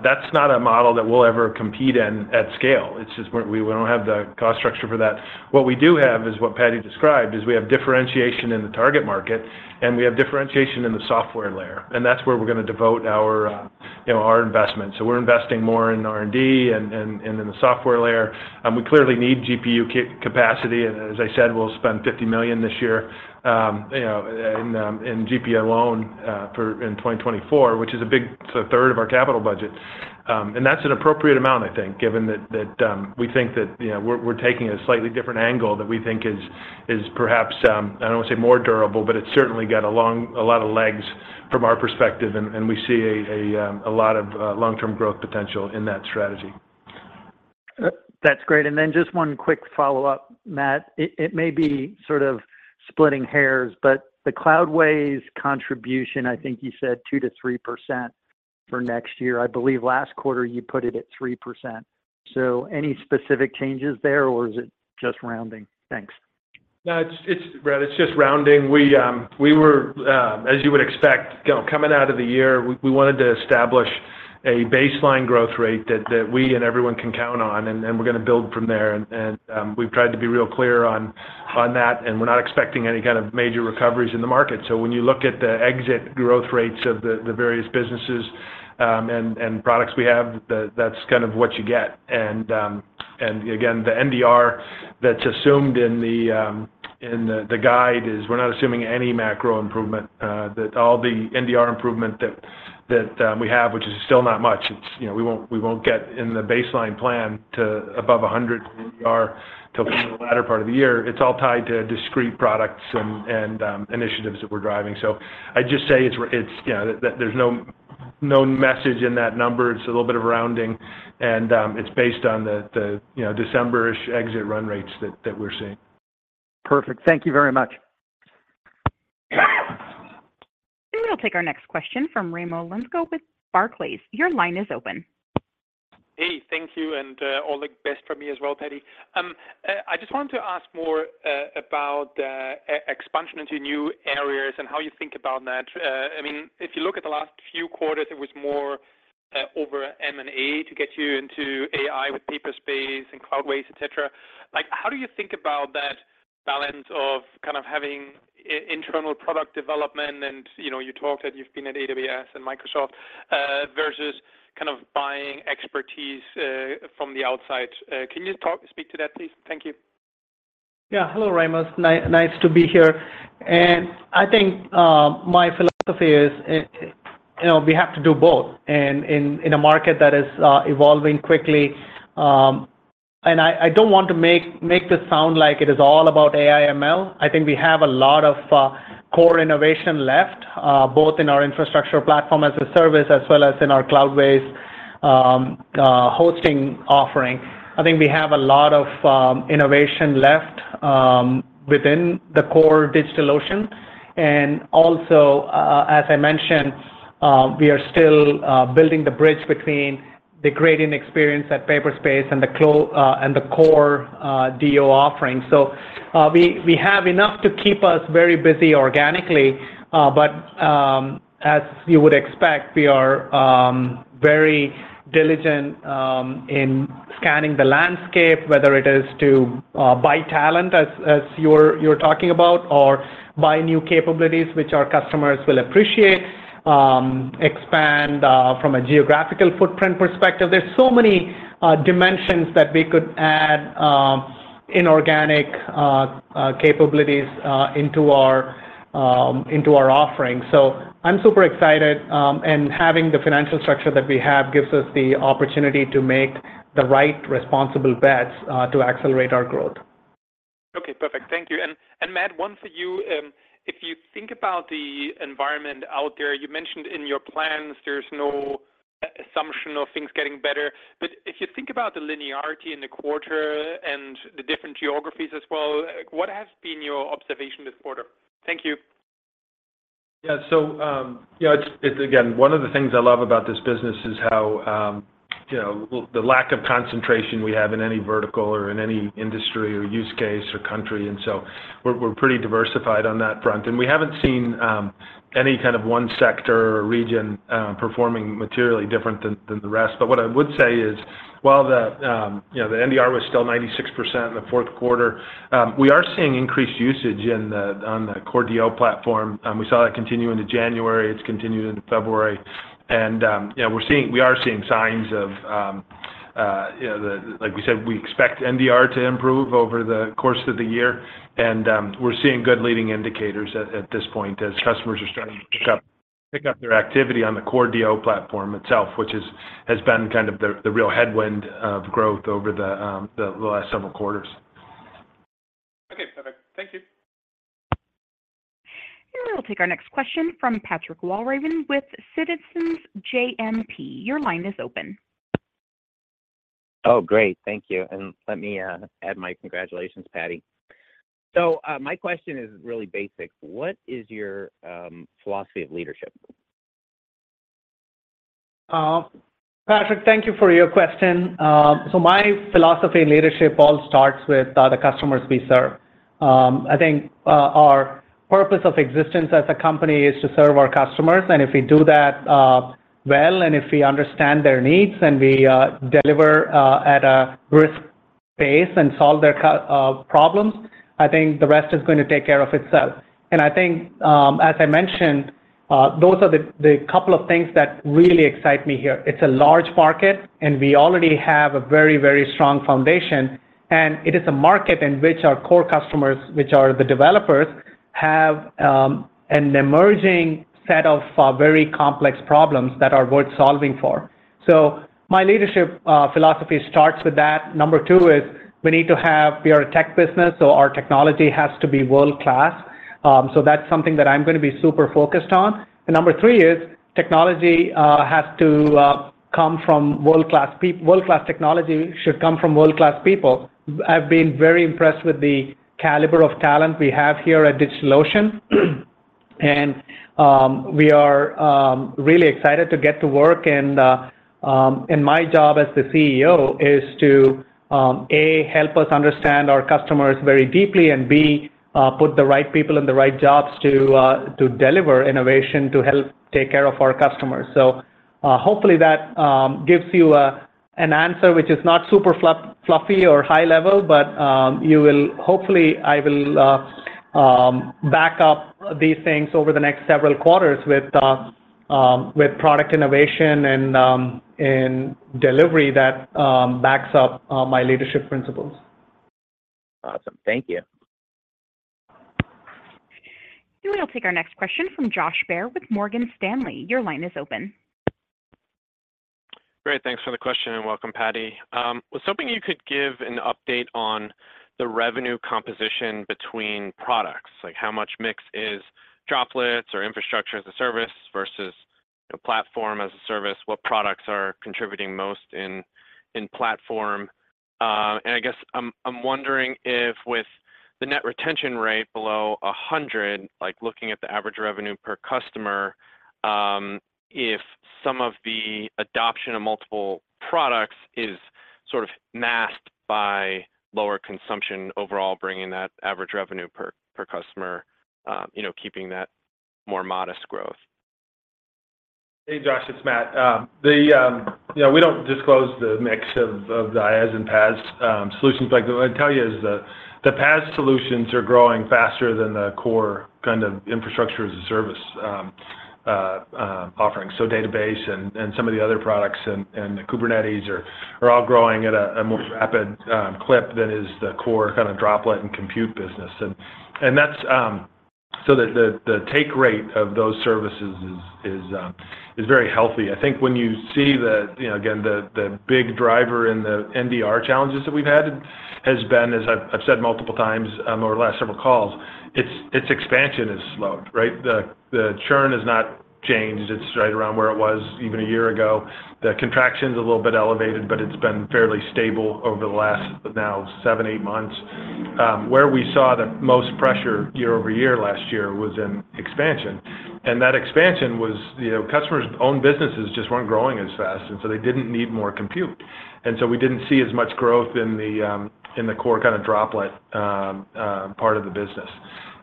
S4: That's not a model that we'll ever compete in at scale. It's just we don't have the cost structure for that. What we do have is what Paddy described, is we have differentiation in the target market, and we have differentiation in the software layer. And that's where we're going to devote our investment. So we're investing more in R&D and in the software layer. We clearly need GPU capacity. And as I said, we'll spend $50 million this year in GPU alone in 2024, which is a big third of our capital budget. And that's an appropriate amount, I think, given that we think that we're taking a slightly different angle that we think is perhaps - I don't want to say more durable - but it's certainly got a lot of legs from our perspective. And we see a lot of long-term growth potential in that strategy.
S7: That's great. And then just one quick follow-up, Matt. It may be sort of splitting hairs, but the Cloudways contribution, I think you said 2%-3% for next year. I believe last quarter, you put it at 3%. Any specific changes there, or is it just rounding? Thanks.
S4: No, Brad, it's just rounding. As you would expect, coming out of the year, we wanted to establish a baseline growth rate that we and everyone can count on, and we're going to build from there. We've tried to be real clear on that. We're not expecting any kind of major recoveries in the market. When you look at the exit growth rates of the various businesses and products we have, that's kind of what you get. Again, the NDR that's assumed in the guide is we're not assuming any macro improvement. All the NDR improvement that we have, which is still not much, we won't get in the baseline plan to above 100 NDR till the latter part of the year. It's all tied to discrete products and initiatives that we're driving. I'd just say there's no message in that number. It's a little bit of rounding. It's based on the December-ish exit run rates that we're seeing.
S7: Perfect. Thank you very much.
S1: We'll take our next question from Raimo Lenschow with Barclays. Your line is open.
S8: Hey. Thank you. And all the best from me as well, Paddy. I just wanted to ask more about expansion into new areas and how you think about that. I mean, if you look at the last few quarters, it was more over M&A to get you into AI with Paperspace and Cloudways, etc. How do you think about that balance of kind of having internal product development - and you talked that you've been at AWS and Microsoft - versus kind of buying expertise from the outside? Can you speak to that, please? Thank you.
S3: Yeah. Hello, Raimo. Nice to be here. And I think my philosophy is we have to do both in a market that is evolving quickly. And I don't want to make this sound like it is all about AI/ML. I think we have a lot of core innovation left, both in our infrastructure platform as a service as well as in our Cloudways hosting offering. I think we have a lot of innovation left within the core DigitalOcean. And also, as I mentioned, we are still building the bridge between the Gradient experience at Paperspace and the core DO offering. So we have enough to keep us very busy organically. But as you would expect, we are very diligent in scanning the landscape, whether it is to buy talent as you're talking about or buy new capabilities, which our customers will appreciate, expand from a geographical footprint perspective. There's so many dimensions that we could add inorganic capabilities into our offering. So I'm super excited. Having the financial structure that we have gives us the opportunity to make the right responsible bets to accelerate our growth.
S8: Okay. Perfect. Thank you. And Matt, one for you. If you think about the environment out there, you mentioned in your plans, there's no assumption of things getting better. But if you think about the linearity in the quarter and the different geographies as well, what has been your observation this quarter? Thank you.
S4: Yeah. So again, one of the things I love about this business is how the lack of concentration we have in any vertical or in any industry or use case or country. And so we're pretty diversified on that front. And we haven't seen any kind of one sector or region performing materially different than the rest. But what I would say is, while the NDR was still 96% in the fourth quarter, we are seeing increased usage on the core DO platform. We saw that continue into January. It's continued into February. And we are seeing signs of, like we said, we expect NDR to improve over the course of the year. We're seeing good leading indicators at this point as customers are starting to pick up their activity on the core DO platform itself, which has been kind of the real headwind of growth over the last several quarters.
S8: Okay. Perfect. Thank you.
S1: We'll take our next question from Patrick Walravens with Citizens JMP. Your line is open.
S9: Oh, great. Thank you. And let me add my congratulations, Paddy. So my question is really basic. What is your philosophy of leadership?
S3: Patrick, thank you for your question. My philosophy in leadership all starts with the customers we serve. I think our purpose of existence as a company is to serve our customers. If we do that well and if we understand their needs and we deliver at a brisk pace and solve their problems, I think the rest is going to take care of itself. I think, as I mentioned, those are the couple of things that really excite me here. It's a large market, and we already have a very, very strong foundation. It is a market in which our core customers, which are the developers, have an emerging set of very complex problems that are worth solving for. So my leadership philosophy starts with that. Number two is we are a tech business, so our technology has to be world-class. So that's something that I'm going to be super focused on. And number three is technology has to come from world-class people. World-class technology should come from world-class people. I've been very impressed with the caliber of talent we have here at DigitalOcean. And we are really excited to get to work. And my job as the CEO is to, A, help us understand our customers very deeply, and, B, put the right people in the right jobs to deliver innovation to help take care of our customers. So hopefully, that gives you an answer which is not super fluffy or high-level, but hopefully, I will back up these things over the next several quarters with product innovation and delivery that backs up my leadership principles.
S9: Awesome. Thank you.
S1: We'll take our next question from Josh Baer with Morgan Stanley. Your line is open.
S10: Great. Thanks for the question, and welcome, Paddy. Was hoping you could give an update on the revenue composition between products, like how much mix is Droplets or infrastructure as a service versus platform as a service, what products are contributing most in platform. And I guess I'm wondering if with the net retention rate below 100, looking at the average revenue per customer, if some of the adoption of multiple products is sort of masked by lower consumption overall, bringing that average revenue per customer, keeping that more modest growth.
S4: Hey, Josh. It's Matt. We don't disclose the mix of the IaaS and PaaS solutions. But what I can tell you is the PaaS solutions are growing faster than the core kind of infrastructure as a service offering. So database and some of the other products and the Kubernetes are all growing at a more rapid clip than is the core kind of Droplet and compute business. And so the take rate of those services is very healthy. I think when you see, again, the big driver in the NDR challenges that we've had has been, as I've said multiple times over the last several calls, its expansion has slowed, right? The churn has not changed. It's right around where it was even a year ago. The contraction's a little bit elevated, but it's been fairly stable over the last now 7-8 months. Where we saw the most pressure year-over-year last year was in expansion. That expansion was customers' own businesses just weren't growing as fast, and so they didn't need more compute. We didn't see as much growth in the core kind of Droplet part of the business.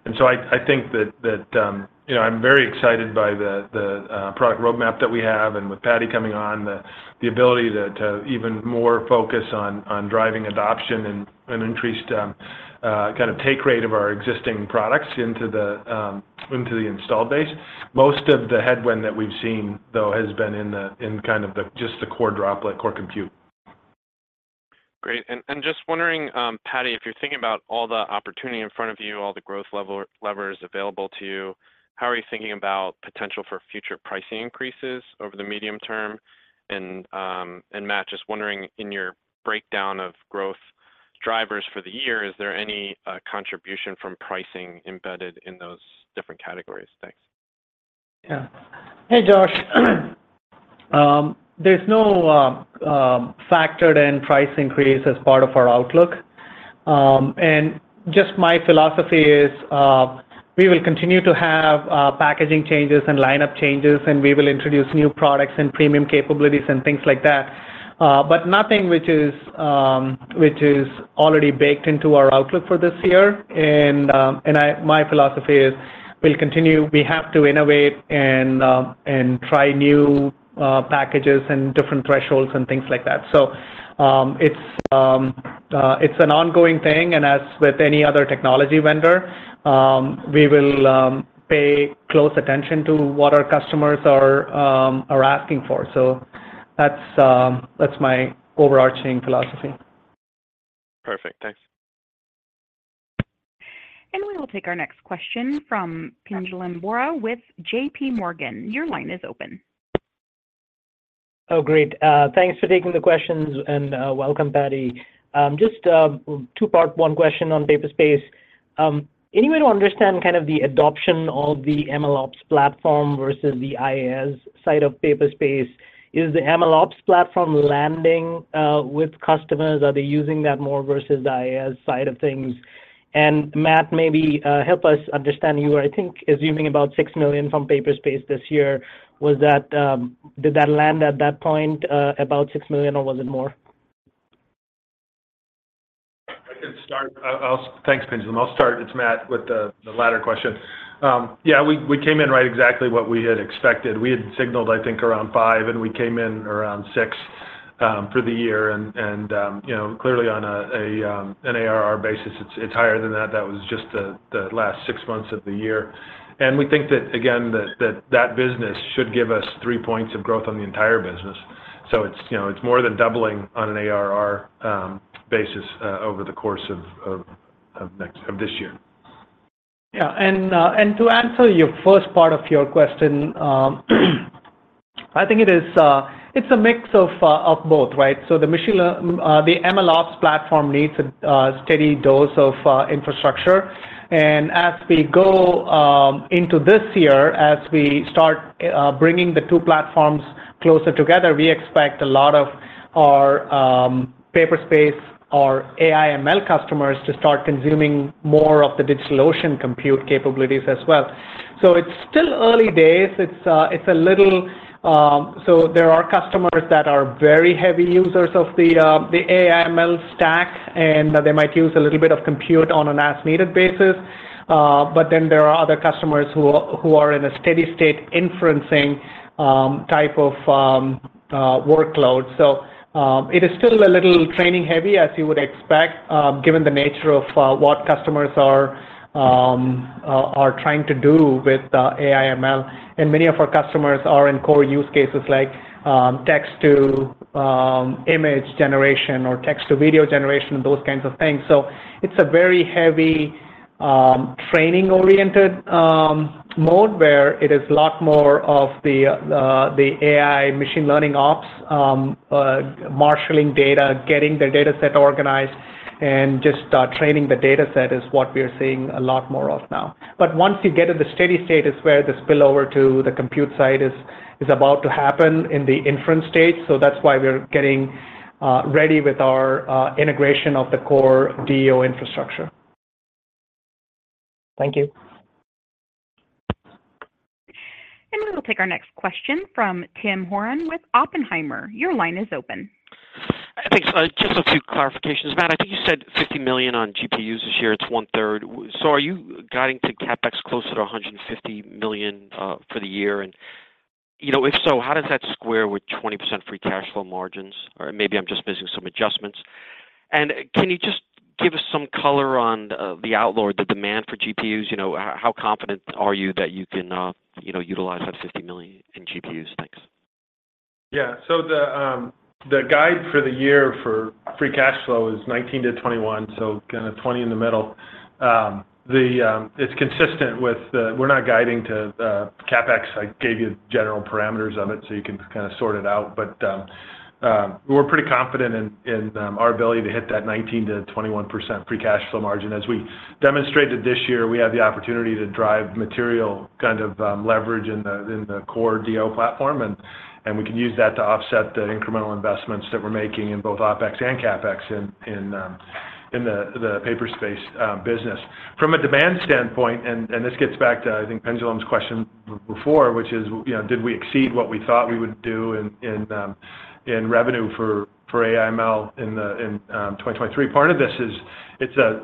S4: I think that I'm very excited by the product roadmap that we have. With Paddy coming on, the ability to even more focus on driving adoption and increased kind of take rate of our existing products into the installed base. Most of the headwind that we've seen, though, has been in kind of just the core Droplet, core compute.
S10: Great. And just wondering, Paddy, if you're thinking about all the opportunity in front of you, all the growth levers available to you, how are you thinking about potential for future pricing increases over the medium term? And Matt, just wondering, in your breakdown of growth drivers for the year, is there any contribution from pricing embedded in those different categories? Thanks.
S3: Yeah. Hey, Josh. There's no factored-in price increase as part of our outlook. Just my philosophy is we will continue to have packaging changes and lineup changes, and we will introduce new products and premium capabilities and things like that, but nothing which is already baked into our outlook for this year. My philosophy is we'll continue. We have to innovate and try new packages and different thresholds and things like that. So it's an ongoing thing. As with any other technology vendor, we will pay close attention to what our customers are asking for. So that's my overarching philosophy.
S10: Perfect. Thanks.
S1: We will take our next question from Pinjalim Bora with JPMorgan. Your line is open.
S11: Oh, great. Thanks for taking the questions, and welcome, Paddy. Just two-part one question on Paperspace. Anyway, to understand kind of the adoption of the MLOps platform versus the IaaS side of Paperspace, is the MLOps platform landing with customers? Are they using that more versus the IaaS side of things? And Matt, maybe help us understand. You were, I think, assuming about $6 million from Paperspace this year. Did that land at that point, about $6 million, or was it more?
S4: I can start. Thanks, Pinjalim Bora. I'll start. It's Matt with the latter question. Yeah. We came in right exactly what we had expected. We had signaled, I think, around 5, and we came in around 6 for the year. And clearly, on an ARR basis, it's higher than that. That was just the last six months of the year. And we think that, again, that that business should give us three points of growth on the entire business. So it's more than doubling on an ARR basis over the course of this year.
S3: Yeah. And to answer your first part of your question, I think it's a mix of both, right? So the MLOps platform needs a steady dose of infrastructure. And as we go into this year, as we start bringing the two platforms closer together, we expect a lot of our Paperspace or AI/ML customers to start consuming more of the DigitalOcean compute capabilities as well. So it's still early days. There are customers that are very heavy users of the AI/ML stack, and they might use a little bit of compute on an as-needed basis. But then there are other customers who are in a steady-state inferencing type of workload. So it is still a little training-heavy, as you would expect, given the nature of what customers are trying to do with AI/ML. Many of our customers are in core use cases like text-to-image generation or text-to-video generation and those kinds of things. It's a very heavy training-oriented mode where it is a lot more of the AI machine learning ops, marshaling data, getting the dataset organized, and just training the dataset is what we are seeing a lot more of now. Once you get to the steady state, it's where the spillover to the compute side is about to happen in the inference stage. That's why we're getting ready with our integration of the core DO infrastructure. Thank you.
S1: We will take our next question from Tim Horan with Oppenheimer. Your line is open.
S12: Thanks. Just a few clarifications. Matt, I think you said $50 million on GPUs this year. It's one-third. So are you guiding to CapEx closer to $150 million for the year? And if so, how does that square with 20% free cash flow margins? Or maybe I'm just missing some adjustments. And can you just give us some color on the outlook, the demand for GPUs? How confident are you that you can utilize that $50 million in GPUs? Thanks.
S4: Yeah. So the guide for the year for free cash flow is 19-21, so kind of 20 in the middle. It's consistent with the we're not guiding to CapEx. I gave you general parameters of it, so you can kind of sort it out. But we're pretty confident in our ability to hit that 19%-21% free cash flow margin. As we demonstrated this year, we have the opportunity to drive material kind of leverage in the core DO platform. And we can use that to offset the incremental investments that we're making in both OpEx and CapEx in the Paperspace business. From a demand standpoint, and this gets back to, I think, Pinjalim Bora's question before, which is, did we exceed what we thought we would do in revenue for AI/ML in 2023? Part of this is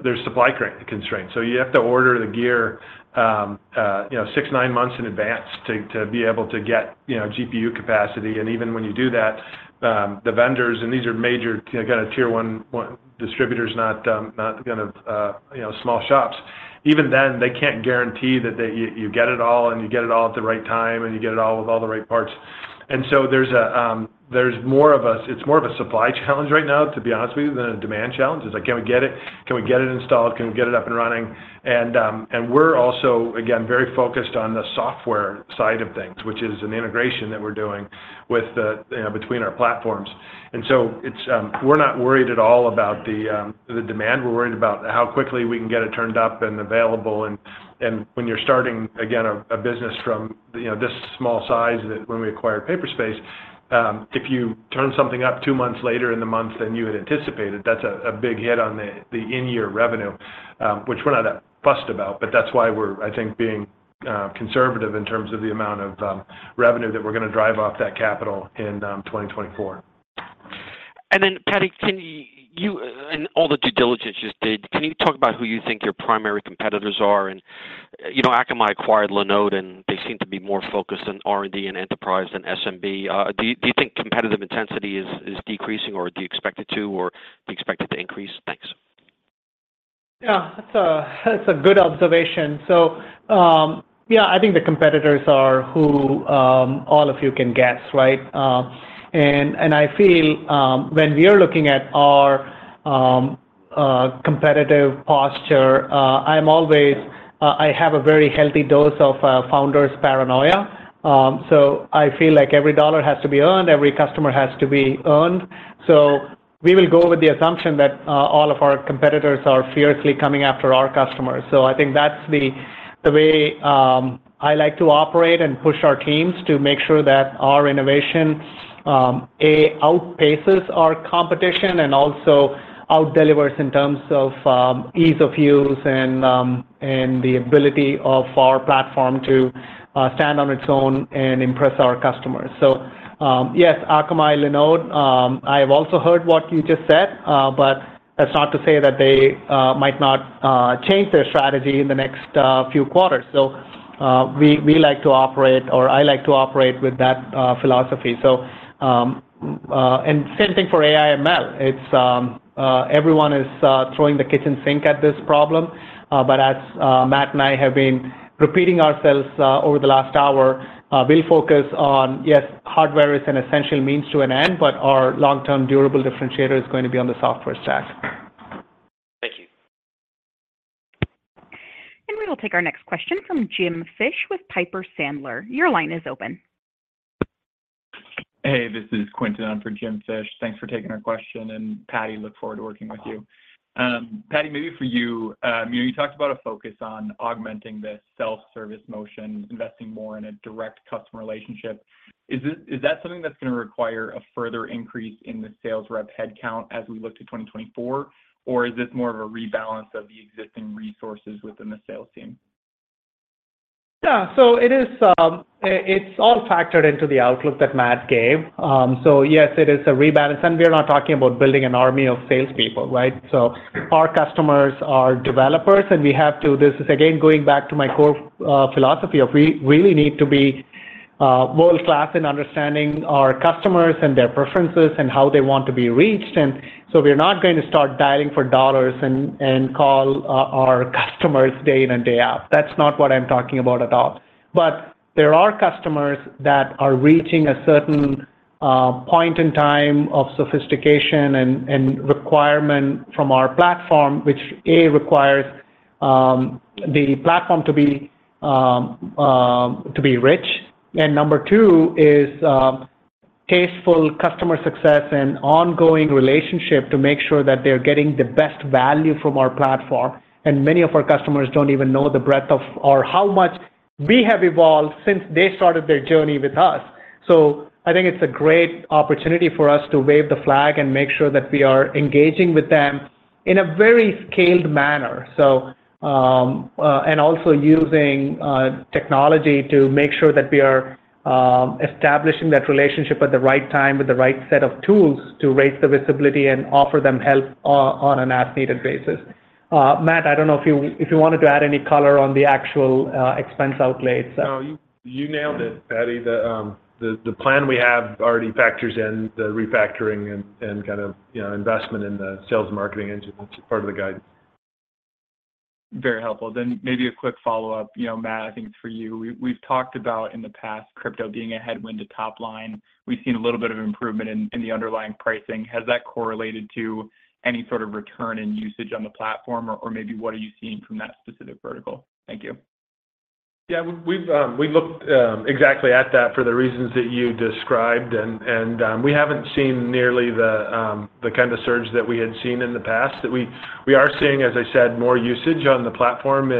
S4: there's supply constraints. So you have to order the gear 6-9 months in advance to be able to get GPU capacity. Even when you do that, the vendors—and these are major kind of tier-one distributors, not kind of small shops—even then, they can't guarantee that you get it all, and you get it all at the right time, and you get it all with all the right parts. So there's more of a it's more of a supply challenge right now, to be honest with you, than a demand challenge. It's like, "Can we get it? Can we get it installed? Can we get it up and running?" We're also, again, very focused on the software side of things, which is an integration that we're doing between our platforms. We're not worried at all about the demand. We're worried about how quickly we can get it turned up and available. And when you're starting, again, a business from this small size when we acquired Paperspace, if you turn something up 2 months later in the month than you had anticipated, that's a big hit on the in-year revenue, which we're not that fussed about. But that's why we're, I think, being conservative in terms of the amount of revenue that we're going to drive off that capital in 2024.
S12: Then, Paddy, and all the due diligence you just did, can you talk about who you think your primary competitors are? And Akamai acquired Linode, and they seem to be more focused on R&D and enterprise than SMB. Do you think competitive intensity is decreasing, or do you expect it to, or do you expect it to increase? Thanks.
S3: Yeah. That's a good observation. So yeah, I think the competitors are who all of you can guess, right? I feel when we are looking at our competitive posture, I have a very healthy dose of founders' paranoia. So I feel like every dollar has to be earned. Every customer has to be earned. So we will go with the assumption that all of our competitors are fiercely coming after our customers. So I think that's the way I like to operate and push our teams to make sure that our innovation, A, outpaces our competition and also outdelivers in terms of ease of use and the ability of our platform to stand on its own and impress our customers. So yes, Akamai, Linode, I have also heard what you just said. But that's not to say that they might not change their strategy in the next few quarters. So we like to operate, or I like to operate, with that philosophy. And same thing for AI/ML. Everyone is throwing the kitchen sink at this problem. But as Matt and I have been repeating ourselves over the last hour, we'll focus on, yes, hardware is an essential means to an end, but our long-term, durable differentiator is going to be on the software stack.
S12: Thank you.
S1: We will take our next question from Jim Fish with Piper Sandler. Your line is open.
S13: Hey. This is Quinton on for Jim Fish. Thanks for taking our question. And Paddy, look forward to working with you. Paddy, maybe for you, you talked about a focus on augmenting the self-service motion, investing more in a direct customer relationship. Is that something that's going to require a further increase in the sales rep headcount as we look to 2024? Or is this more of a rebalance of the existing resources within the sales team?
S3: Yeah. So it's all factored into the outlook that Matt gave. So yes, it is a rebalance. And we are not talking about building an army of salespeople, right? So our customers are developers, and we have to—this is, again, going back to my core philosophy of we really need to be world-class in understanding our customers and their preferences and how they want to be reached. And so we're not going to start dialing for dollars and call our customers day in and day out. That's not what I'm talking about at all. But there are customers that are reaching a certain point in time of sophistication and requirement from our platform, which, A, requires the platform to be rich. And number two is tasteful customer success and ongoing relationship to make sure that they're getting the best value from our platform. Many of our customers don't even know the breadth of or how much we have evolved since they started their journey with us. So I think it's a great opportunity for us to wave the flag and make sure that we are engaging with them in a very scaled manner and also using technology to make sure that we are establishing that relationship at the right time with the right set of tools to raise the visibility and offer them help on an as-needed basis. Matt, I don't know if you wanted to add any color on the actual expense outlay itself.
S4: No. You nailed it, Paddy. The plan we have already factors in the refactoring and kind of investment in the sales and marketing engine. It's part of the guidance.
S13: Very helpful. Then maybe a quick follow-up, Matt, I think it's for you. We've talked about in the past crypto being a headwind to topline. We've seen a little bit of improvement in the underlying pricing. Has that correlated to any sort of return in usage on the platform? Or maybe what are you seeing from that specific vertical? Thank you.
S4: Yeah. We've looked exactly at that for the reasons that you described. We haven't seen nearly the kind of surge that we had seen in the past. We are seeing, as I said, more usage on the platform.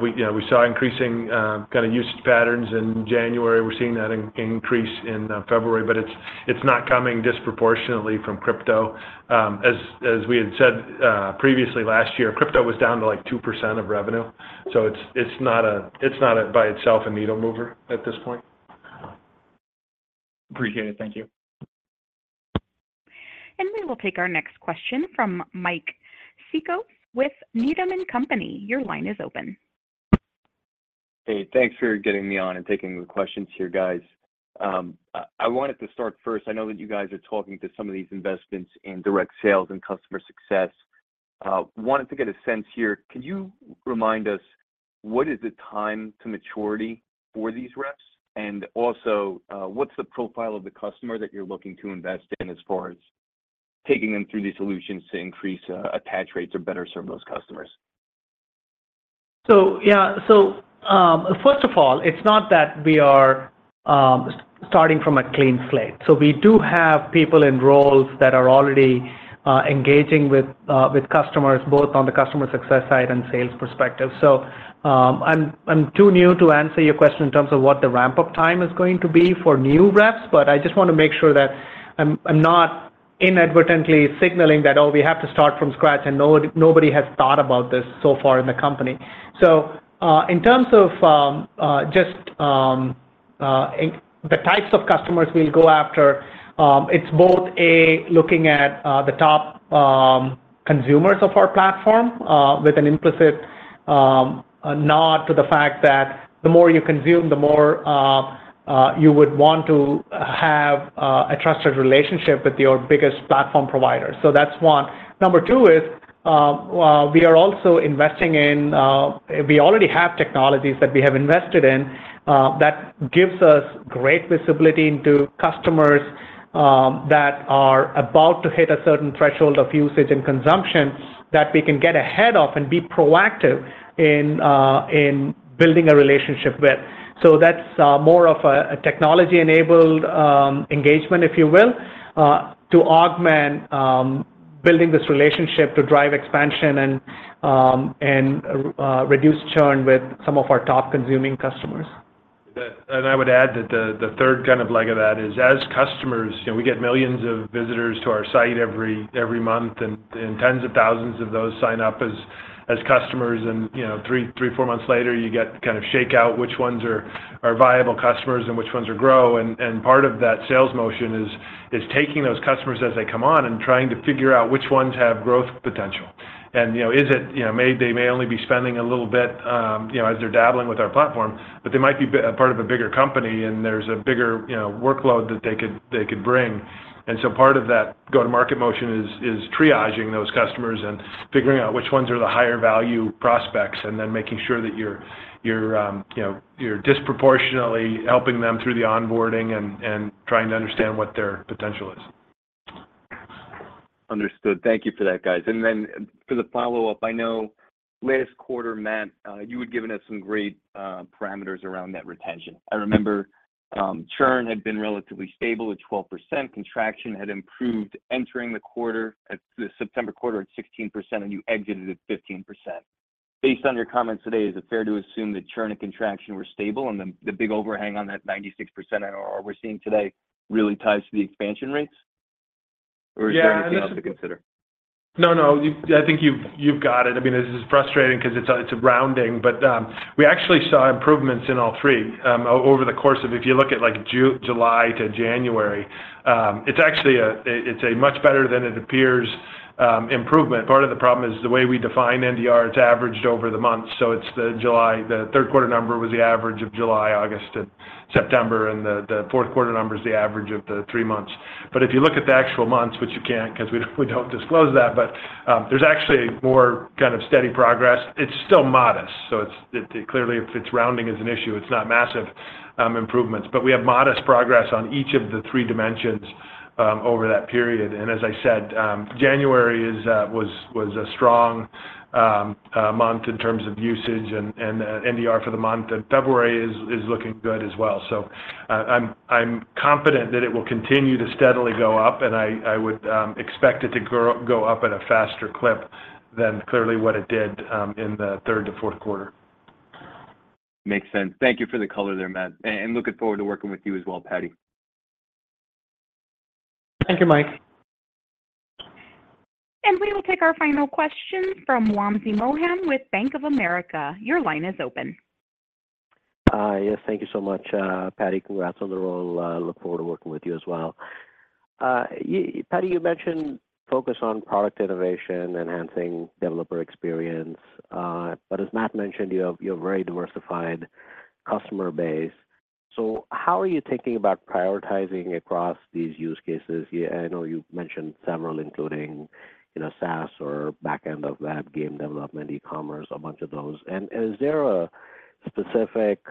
S4: We saw increasing kind of use patterns in January. We're seeing that increase in February. But it's not coming disproportionately from crypto. As we had said previously, last year, crypto was down to like 2% of revenue. It's not by itself a needle mover at this point.
S13: Appreciate it. Thank you.
S1: We will take our next question from Mike Cikos with Needham & Company. Your line is open.
S14: Hey. Thanks for getting me on and taking the questions here, guys. I wanted to start first. I know that you guys are talking to some of these investments in direct sales and customer success. Wanted to get a sense here. Can you remind us, what is the time to maturity for these reps? And also, what's the profile of the customer that you're looking to invest in as far as taking them through these solutions to increase attach rates or better serve those customers?
S3: So yeah. So first of all, it's not that we are starting from a clean slate. So we do have people in roles that are already engaging with customers, both on the customer success side and sales perspective. So I'm too new to answer your question in terms of what the ramp-up time is going to be for new reps. But I just want to make sure that I'm not inadvertently signaling that, "Oh, we have to start from scratch," and nobody has thought about this so far in the company. So in terms of just the types of customers we'll go after, it's both, A, looking at the top consumers of our platform with an implicit nod to the fact that the more you consume, the more you would want to have a trusted relationship with your biggest platform provider. So that's one. Number 2 is we are also investing in we already have technologies that we have invested in that gives us great visibility into customers that are about to hit a certain threshold of usage and consumption that we can get ahead of and be proactive in building a relationship with. So that's more of a technology-enabled engagement, if you will, to augment building this relationship to drive expansion and reduce churn with some of our top-consuming customers.
S4: I would add that the third kind of leg of that is as customers we get millions of visitors to our site every month, and tens of thousands of those sign up as customers. 3, 4 months later, you get kind of shakeout which ones are viable customers and which ones are grow. Part of that sales motion is taking those customers as they come on and trying to figure out which ones have growth potential. Is it they may only be spending a little bit as they're dabbling with our platform, but they might be part of a bigger company, and there's a bigger workload that they could bring. And so part of that go-to-market motion is triaging those customers and figuring out which ones are the higher-value prospects and then making sure that you're disproportionately helping them through the onboarding and trying to understand what their potential is.
S14: Understood. Thank you for that, guys. And then for the follow-up, I know last quarter, Matt, you had given us some great parameters around net retention. I remember churn had been relatively stable at 12%. Contraction had improved entering the quarter. The September quarter at 16%, and you exited at 15%. Based on your comments today, is it fair to assume that churn and contraction were stable? And the big overhang on that 96% that we're seeing today really ties to the expansion rates? Or is there anything else to consider?
S4: Yeah. No, no. I think you've got it. I mean, this is frustrating because it's a rounding. But we actually saw improvements in all three over the course of if you look at July to January, it's actually a much better-than-it-appears improvement. Part of the problem is the way we define NDR. It's averaged over the months. So the third-quarter number was the average of July, August, and September. And the fourth-quarter number is the average of the three months. But if you look at the actual months, which you can't because we don't disclose that, but there's actually more kind of steady progress. It's still modest. So clearly, if it's rounding is an issue, it's not massive improvements. But we have modest progress on each of the three dimensions over that period. As I said, January was a strong month in terms of usage and NDR for the month. February is looking good as well. I'm confident that it will continue to steadily go up. I would expect it to go up at a faster clip than clearly what it did in the third to fourth quarter.
S14: Makes sense. Thank you for the color there, Matt. And looking forward to working with you as well, Paddy.
S3: Thank you, Mike.
S1: We will take our final question from Wamsi Mohan with Bank of America. Your line is open.
S15: Yes. Thank you so much, Paddy. Congrats on the role. Look forward to working with you as well. Paddy, you mentioned focus on product innovation, enhancing developer experience. But as Matt mentioned, you have a very diversified customer base. So how are you thinking about prioritizing across these use cases? I know you mentioned several, including SaaS or backend of web, game development, e-commerce, a bunch of those. And is there a specific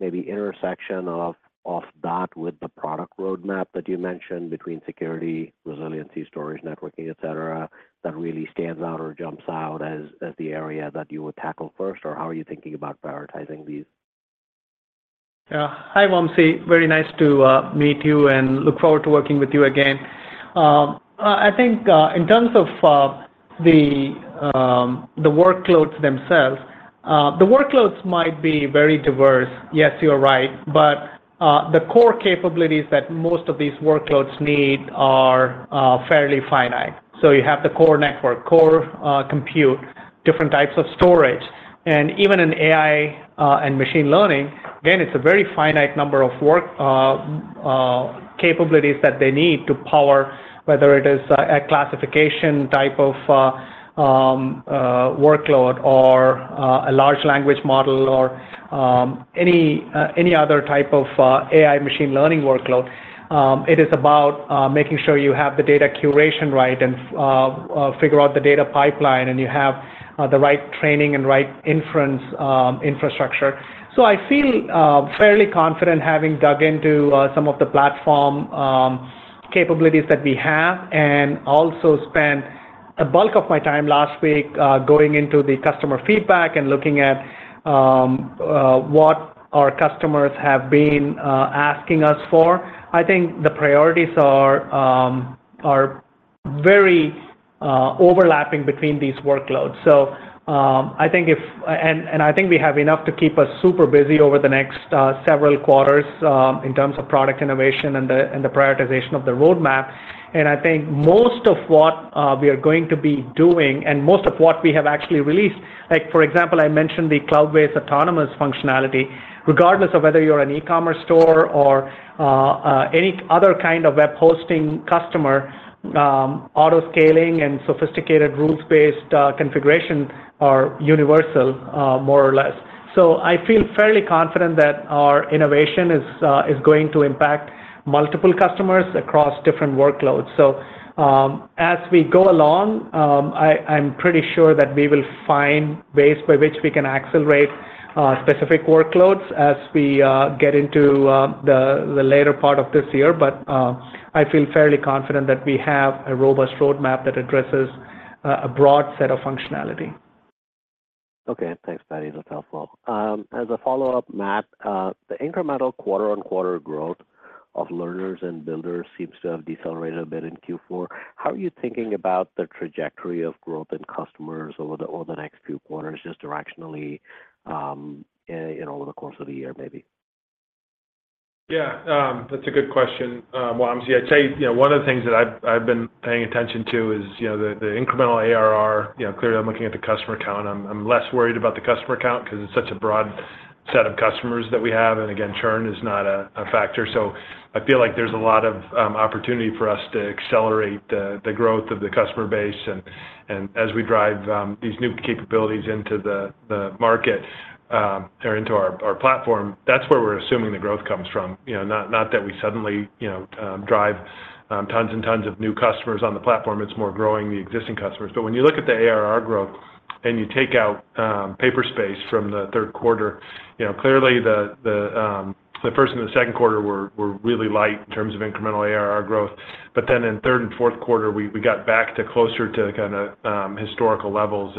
S15: maybe intersection of that with the product roadmap that you mentioned between security, resiliency, storage, networking, etc., that really stands out or jumps out as the area that you would tackle first? Or how are you thinking about prioritizing these?
S3: Yeah. Hi, Wamsi. Very nice to meet you and look forward to working with you again. I think in terms of the workloads themselves, the workloads might be very diverse. Yes, you're right. But the core capabilities that most of these workloads need are fairly finite. So you have the core network, core compute, different types of storage. And even in AI and machine learning, again, it's a very finite number of capabilities that they need to power, whether it is a classification type of workload or a large language model or any other type of AI machine learning workload. It is about making sure you have the data curation right and figure out the data pipeline, and you have the right training and right inference infrastructure. So I feel fairly confident having dug into some of the platform capabilities that we have and also spent a bulk of my time last week going into the customer feedback and looking at what our customers have been asking us for. I think the priorities are very overlapping between these workloads. So I think if and I think we have enough to keep us super busy over the next several quarters in terms of product innovation and the prioritization of the roadmap. And I think most of what we are going to be doing and most of what we have actually released. For example, I mentioned the Cloudways Autonomous functionality. Regardless of whether you're an e-commerce store or any other kind of web hosting customer, autoscaling and sophisticated rules-based configuration are universal, more or less. So I feel fairly confident that our innovation is going to impact multiple customers across different workloads. So as we go along, I'm pretty sure that we will find ways by which we can accelerate specific workloads as we get into the later part of this year. But I feel fairly confident that we have a robust roadmap that addresses a broad set of functionality.
S15: Okay. Thanks, Paddy. That's helpful. As a follow-up, Matt, the incremental quarter-on-quarter growth of learners and builders seems to have decelerated a bit in Q4. How are you thinking about the trajectory of growth in customers over the next few quarters, just directionally over the course of the year maybe?
S4: Yeah. That's a good question, Wamsi. I'd say one of the things that I've been paying attention to is the incremental ARR. Clearly, I'm looking at the customer count. I'm less worried about the customer count because it's such a broad set of customers that we have. And again, churn is not a factor. So I feel like there's a lot of opportunity for us to accelerate the growth of the customer base. And as we drive these new capabilities into the market or into our platform, that's where we're assuming the growth comes from. Not that we suddenly drive tons and tons of new customers on the platform. It's more growing the existing customers. But when you look at the ARR growth and you take out Paperspace from the third quarter, clearly, the first and the second quarter were really light in terms of incremental ARR growth. But then in third and fourth quarter, we got back closer to kind of historical levels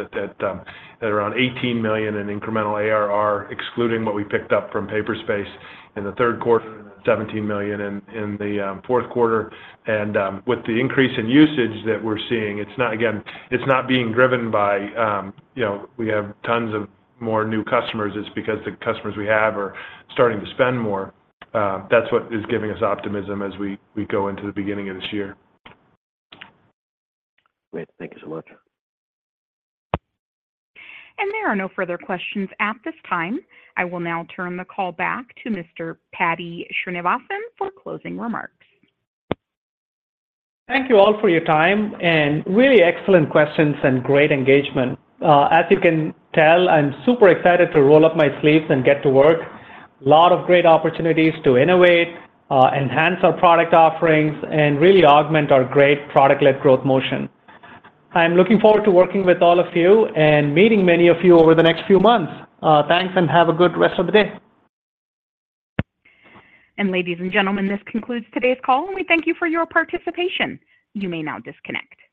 S4: at around $18 million in incremental ARR, excluding what we picked up from Paperspace in the third quarter and $17 million in the fourth quarter. And with the increase in usage that we're seeing, it's not again, it's not being driven by we have tons of more new customers. It's because the customers we have are starting to spend more. That's what is giving us optimism as we go into the beginning of this year.
S15: Great. Thank you so much.
S1: There are no further questions at this time. I will now turn the call back to Mr. Paddy Srinivasan for closing remarks.
S3: Thank you all for your time and really excellent questions and great engagement. As you can tell, I'm super excited to roll up my sleeves and get to work. A lot of great opportunities to innovate, enhance our product offerings, and really augment our great product-led growth motion. I'm looking forward to working with all of you and meeting many of you over the next few months. Thanks, and have a good rest of the day.
S1: Ladies and gentlemen, this concludes today's call. We thank you for your participation. You may now disconnect.